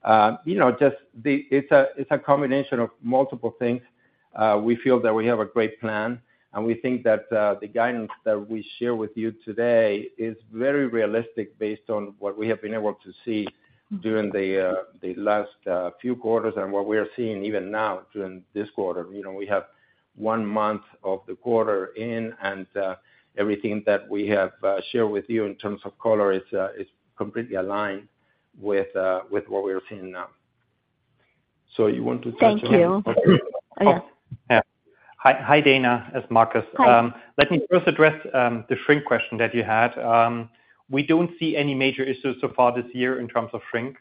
know, it's a combination of multiple things. We fell we have a great plan, and we think that the guidance that we share with you today is very realistic based on what we have been able to see during the last few quarters and what we are seeing even now during this quarter. You know, we have one month of the quarter in, and everything that we have shared with you in terms of color is completely aligned with what we are seeing now. You want to talk, Thank you. Yes. Yeah. Hi, hi, Dana, it's Markus. Hi. Let me first address the shrink question that you had. We don't see any major issues so far this year in terms of shrink.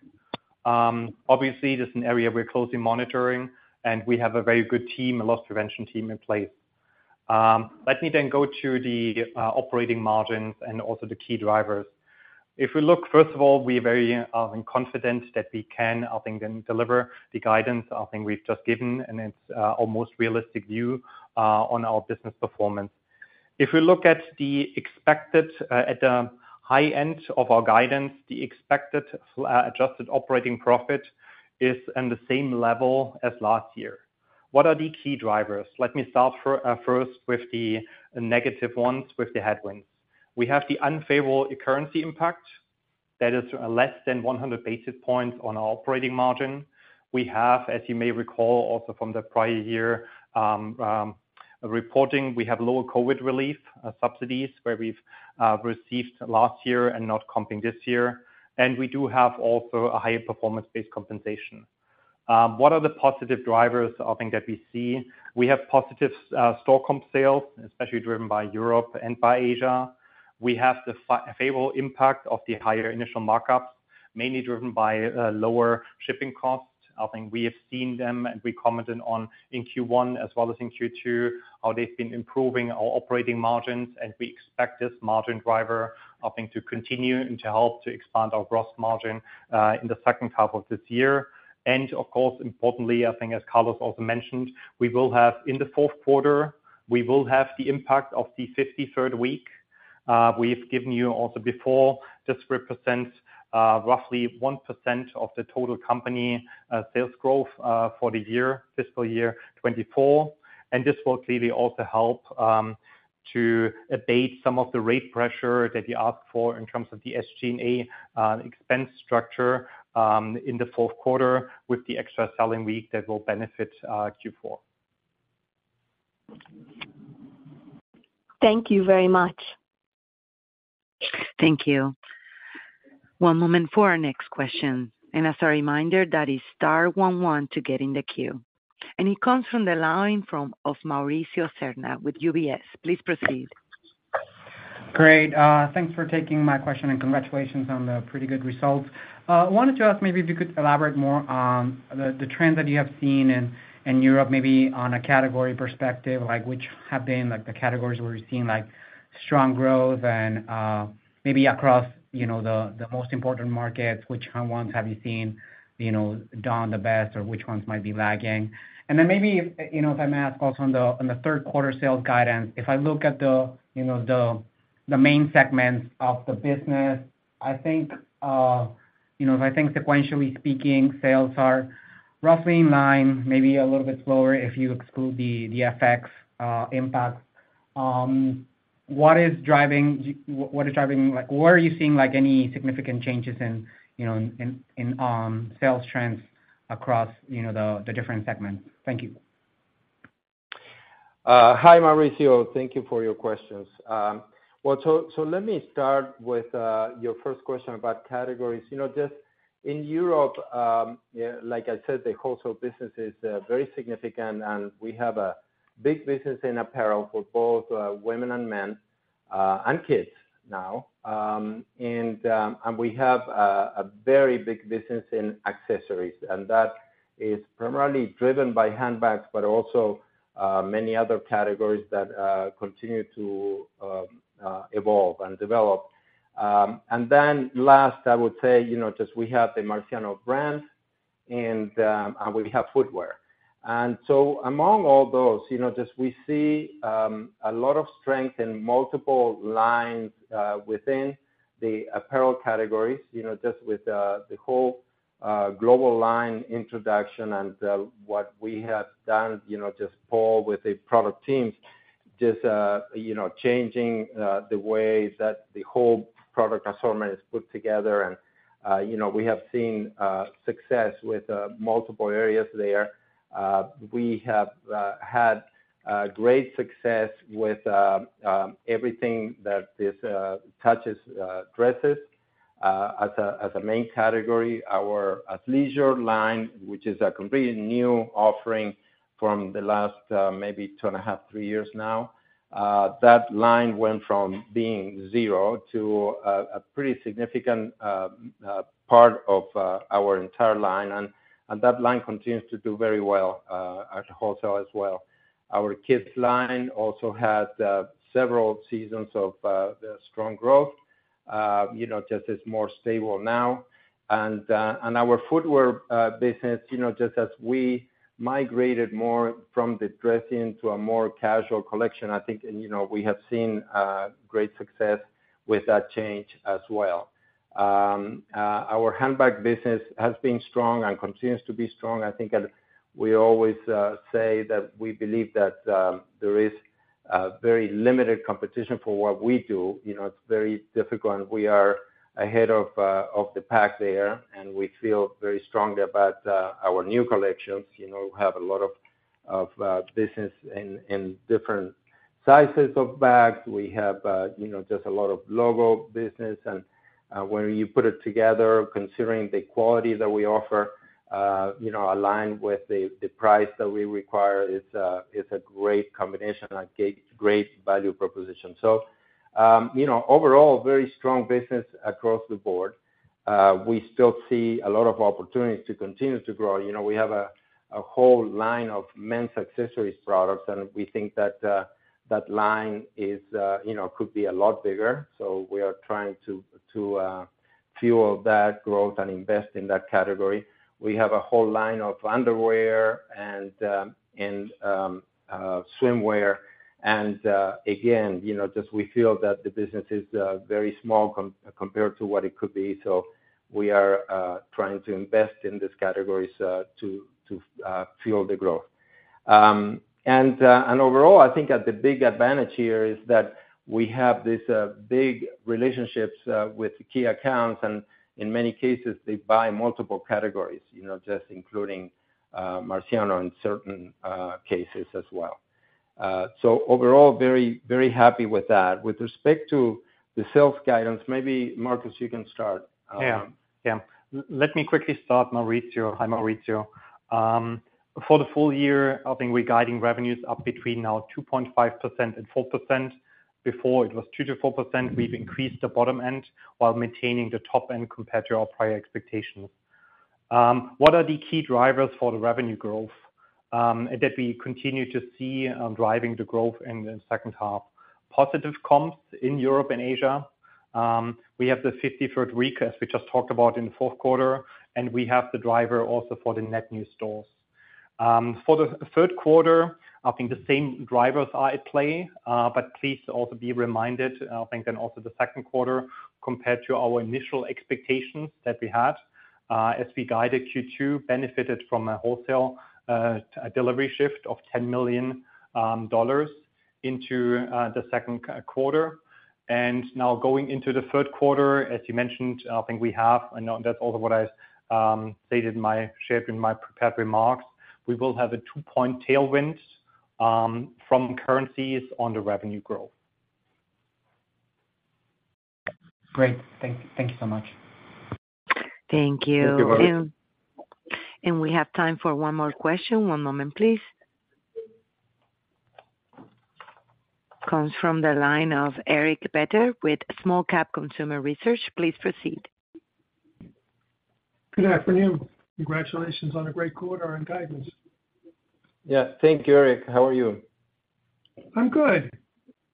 Obviously, this is an area we're closely monitoring, and we have a very good team, a loss prevention team in place. Let me go to the operating margins and also the key drivers. If we look, first of all, we are very confident that we can deliver the guidance we've just given, and it's almost realistic view on our business performance. If we look at the expected, at the high end of our guidance, the expected adjusted operating profit is in the same level as last year. What are the key drivers? Let me start first with the negative ones, with the headwinds. We have the unfavorable currency impact. That is less than 100 basis points on our operating margin. We have, as you may recall, also from the prior year, reporting, we have lower COVID relief subsidies, where we've received last year and not comping this year, and we do have also a higher performance-based compensation. What are the positive drivers I think that we see? We have positive store comp sales, especially driven by Europe and by Asia. We have the favorable impact of the higher initial markups, mainly driven by lower shipping costs. We have seen them, and we commented on in Q1 as well as in Q2, how they've been improving our operating margins, and we expect this margin driver to continue and to help to expand our gross margin in the second half of this year. Of course, importantly, as Carlos also mentioned, we will have in the fourth quarter, we will have the impact of the 53rd week. We've given you also before, this represents roughly 1% of the total company sales growth for the year, fiscal year 2024. This will clearly also help to abate some of the rate pressure that you ask for in terms of the SG&A expense structure in the fourth quarter with the extra selling week that will benefit Q4. Thank you very much. Thank you. One moment for our next question. As a reminder, that is star one one to get in the queue. It comes from the line from, of Mauricio Serna with UBS. Please proceed. Great. Thanks for taking my question, and congratulations on the pretty good results. I wanted to ask maybe if you could elaborate more on the trends that you have seen in Europe, maybe on a category perspective, like which have been, like, the categories where you're seeing, like, strong growth and maybe across, you know, the most important markets, which ones have you seen, you know, done the best, or which ones might be lagging? Then maybe, you know, if I may ask also on the third quarter sales guidance, if I look at the, you know, the main segments of the business, I think, you know, if I think sequentially speaking, sales are roughly in line, maybe a little bit slower, if you exclude the FX impact. What is driving, like, where are you seeing, like, any significant changes in, you know, in, in, sales trends across, you know, the, the different segments? Thank you. Hi, Mauricio. Thank you for your questions. Well, let me start with your first question about categories. You know, just in Europe, yeah, like I said, the wholesale business is very significant, and we have a big business in apparel for both women and men, and kids now. We have a very big business in accessories, and that is primarily driven by handbags, but also many other categories that continue to evolve and develop. Then last, I would say, you know, just we have the Marciano brand, we have footwear. Among all those, you know, just we see a lot of strength in multiple lines within the apparel categories, you know, just with the whole global line introduction and what we have done, you know, just pull with the product teams, just, you know, changing the way that the whole product assortment is put together. You know, we have seen success with multiple areas there. We have had great success with everything that is touches dresses as a as a main category. Our athleisure line, which is a completely new offering from the last maybe 2 1/2, three years now, that line went from being zero to a pretty significant part of our entire line. That line continues to do very well at wholesale as well. Our kids line also had several seasons of strong growth, you know, just is more stable now. Our Footwear business, you know, just as we migrated more from the dressing to a more casual collection, I think, and, you know, we have seen great success with that change as well. Our handbag business has been strong and continues to be strong. I think that we always say that we believe that there is very limited competition for what we do. You know, it's very difficult. We are ahead of the pack there, and we feel very strongly about our new collections. You know, we have a lot of, of business in, in different sizes of bags. We have, you know, just a lot of logo business, and when you put it together, considering the quality that we offer, you know, aligned with the, the price that we require, it's a, it's a great combination and great, great value proposition. You know, overall, very strong business across the board. We still see a lot of opportunities to continue to grow. You know, we have a, a whole line of men's accessories products, and we think that line is, you know, could be a lot bigger, so we are trying to, to fuel that growth and invest in that category. We have a whole line of underwear and, and swimwear, and again, you know, just we feel that the business is very small compared to what it could be. We are trying to invest in these categories to, to fuel the growth. Overall, I think that the big advantage here is that we have this big relationships with key accounts, and in many cases, they buy multiple categories, you know, just including Marciano in certain cases as well. Overall, very, very happy with that. With respect to the sales guidance, maybe Markus, you can start. Yeah, yeah. Mauricio. Hi, Mauricio. For the full year, I think we're guiding revenues up between now 2.5% and 4%. Before, it was 2%-4%. We've increased the bottom end while maintaining the top end compared to our prior expectations. What are the key drivers for the revenue growth that we continue to see driving the growth in the second half? Positive comps in Europe and Asia. We have the 53rd week, as we just talked about in the fourth quarter, and we have the driver also for the net new stores. For the third quarter, I think the same drivers are at play, but please also be reminded, I think, then also the second quarter, compared to our initial expectations that we had, as we guided Q2, benefited from a wholesale delivery shift of $10 million into the second quarter. Now going into the third quarter, as you mentioned, I think we have, and that's also what I stated in my, shared in my prepared remarks, we will have a two-point tailwind from currencies on the revenue growth. Great. Thank you so much. Thank you. Thank you, Markus. We have time for one more question. One moment, please. Comes from the line of Eric Beder with Small Cap Consumer Research. Please proceed. Good afternoon. Congratulations on a great quarter and guidance. Yeah. Thank you, Eric. How are you? I'm good.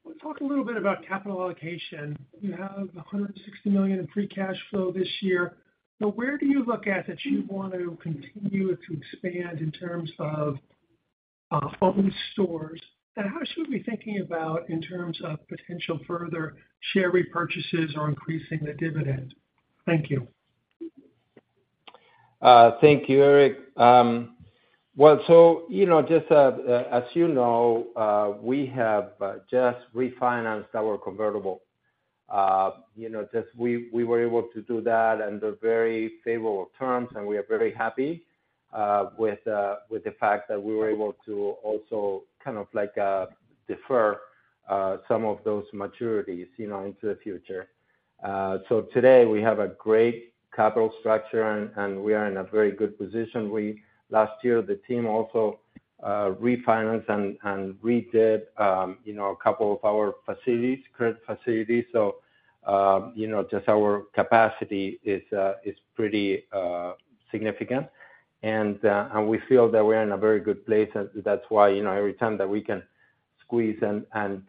Let's talk a little bit about capital allocation. You have $160 million in free cash flow this year. Where do you look at that you want to continue to expand in terms of phone stores? How should we be thinking about in terms of potential further share repurchases or increasing the dividend? Thank you. Thank you, Eric. Well, you know, just, as you know, we have just refinanced our convertible. You know, just we were able to do that under very favorable terms, and we are very happy with the fact that we were able to also kind of like defer some of those maturities, you know, into the future. Today we have a great capital structure, and we are in a very good position. Last year, the team also refinanced and redid, you know, a couple of our facilities, credit facilities. You know, just our capacity is pretty significant. And we feel that we're in a very good place, and that's why, you know, every time that we can squeeze and, and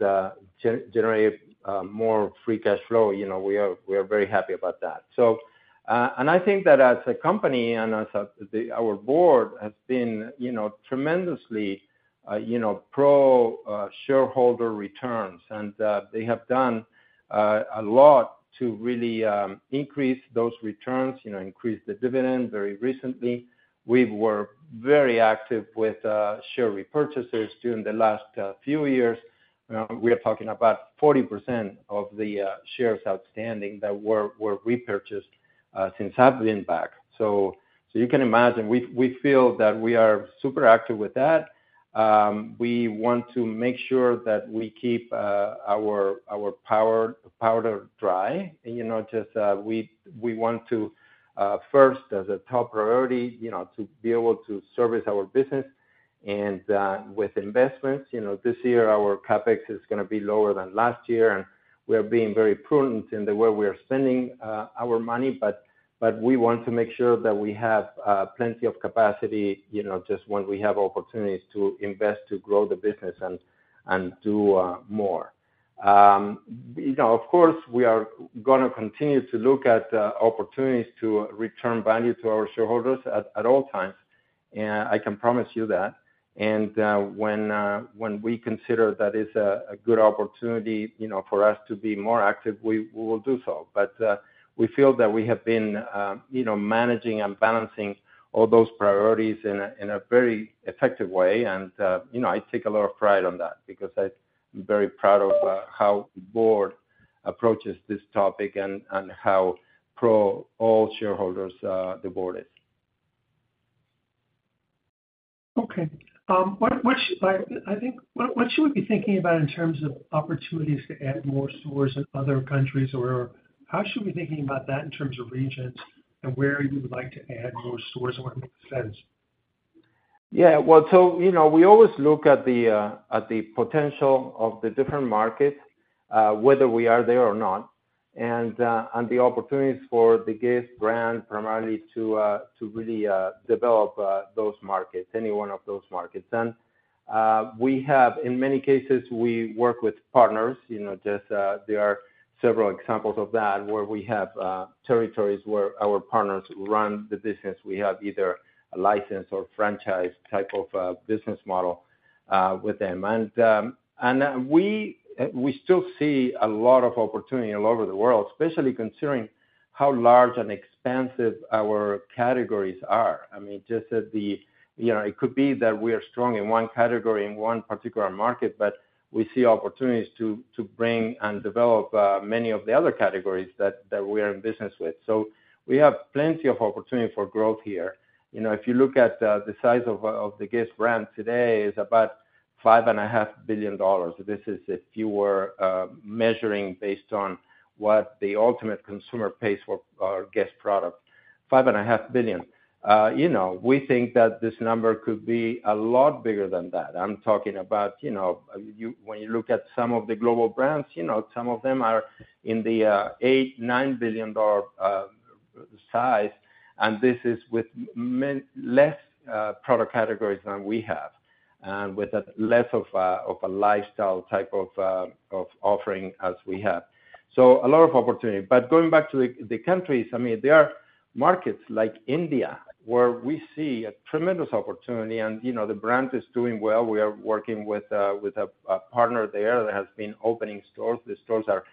generate more free cash flow, you know, we are, we are very happy about that. I think that as a company and as a, the, our board has been, you know, tremendously, you know, pro, shareholder returns, and they have done a lot to really increase those returns, you know, increase the dividend very recently. We were very active with share repurchases during the last few years. We are talking about 40% of the shares outstanding that were, were repurchased since I've been back. so you can imagine, we, we feel that we are super active with that. We want to make sure that we keep our powder dry, and, you know, just, we want to, first, as a top priority, you know, to be able to service our business and, with investments. You know, this year, our CapEx is gonna be lower than last year, and we are being very prudent in the way we are spending our money, but, but we want to make sure that we have plenty of capacity, you know, just when we have opportunities to invest, to grow the business and, and do more. You know, of course, we are gonna continue to look at opportunities to return value to our shareholders at, at all times, and I can promise you that. When, when we consider that is a good opportunity, you know, for us to be more active, we will do so. We feel that we have been, you know, managing and balancing all those priorities in a very effective way, and, you know, I take a lot of pride on that because I'm very proud of how the board approaches this topic and how pro all shareholders the board is. Okay. What should I think, what should we be thinking about in terms of opportunities to add more stores in other countries, or how should we be thinking about that in terms of regions and where you would like to add more stores and where it makes sense? Yeah. Well, so, you know, we always look at the at the potential of the different markets, whether we are there or not, and and the opportunities for the Guess?? brand primarily to to really develop those markets, any one of those markets. We have in many cases, we work with partners, you know, just, there are several examples of that, where we have territories where our partners run the business. We have either a license or franchise type of business model with them. We, we still see a lot of opportunity all over the world, especially considering how large and expansive our categories are. I mean, just at the, you know, it could be that we are strong in one category, in one particular market, but we see opportunities to bring and develop many of the other categories that we are in business with. We have plenty of opportunity for growth here. You know, if you look at the size of the Guess? brand today, is about $5.5 billion. This is if you were measuring based on what the ultimate consumer pays for our Guess? product, $5.5 billion. You know, we think that this number could be a lot bigger than that. I'm talking about, you know, you-- when you look at some of the global brands, you know, some of them are in the $8 billion-$9 billion size, and this is with many less product categories than we have, and with a less of a, of a lifestyle type of offering as we have. So a lot of opportunity. But going back to the, the countries, I mean, there are markets like India, where we see a tremendous opportunity, and, you know, the brand is doing well. We are working with a, with a, a partner there that has been opening stores. The stores are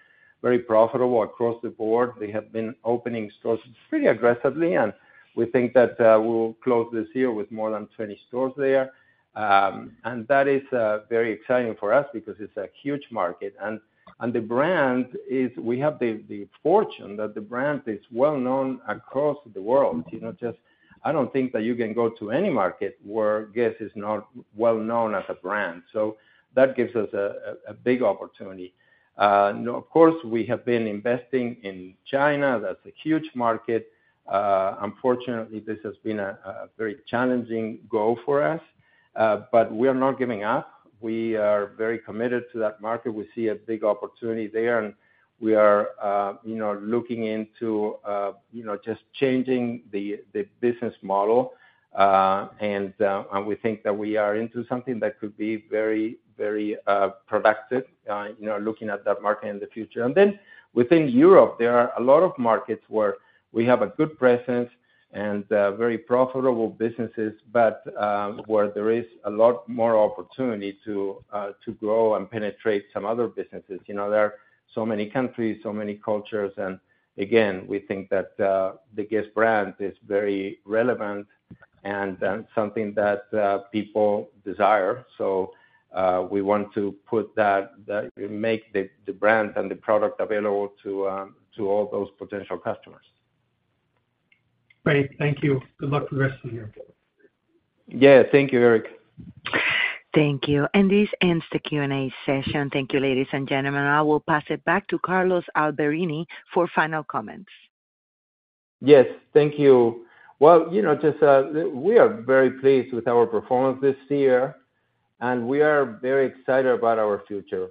very profitable across the board. They have been opening stores pretty aggressively, and we think that we will close this year with more than 20 stores there. That is very exciting for us because it's a huge market, and the brand is-- We have the fortune that the brand is well known across the world. You know, just, I don't think that you can go to any market where Guess? is not well known as a brand, so that gives us a big opportunity. Of course, we have been investing in China. That's a huge market. Unfortunately, this has been a very challenging goal for us, but we are not giving up. We are very committed to that market. We see a big opportunity there, and we are, you know, looking into, you know, just changing the business model. We think that we are into something that could be very, very productive, you know, looking at that market in the future. Then within Europe, there are a lot of markets where we have a good presence and, very profitable businesses, but, where there is a lot more opportunity to, to grow and penetrate some other businesses. You know, there are so many countries, so many cultures, and again, we think that, the Guess? brand is very relevant and, something that, people desire. We want to put that, that make the, the brand and the product available to, to all those potential customers. Great. Thank you. Good luck with the rest of the year. Yeah. Thank you, Eric. Thank you. This ends the Q&A session. Thank you, ladies and gentlemen. I will pass it back to Carlos Alberini for final comments. Yes, thank you. Well, you know, just, we are very pleased with our performance this year. We are very excited about our future.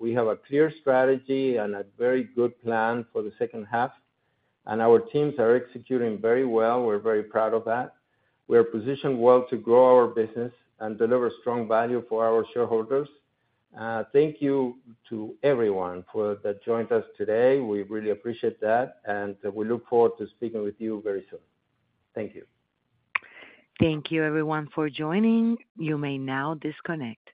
We have a clear strategy and a very good plan for the second half. Our teams are executing very well. We're very proud of that. We are positioned well to grow our business and deliver strong value for our shareholders. Thank you to everyone that joined us today. We really appreciate that. We look forward to speaking with you very soon. Thank you. Thank you everyone for joining. You may now disconnect.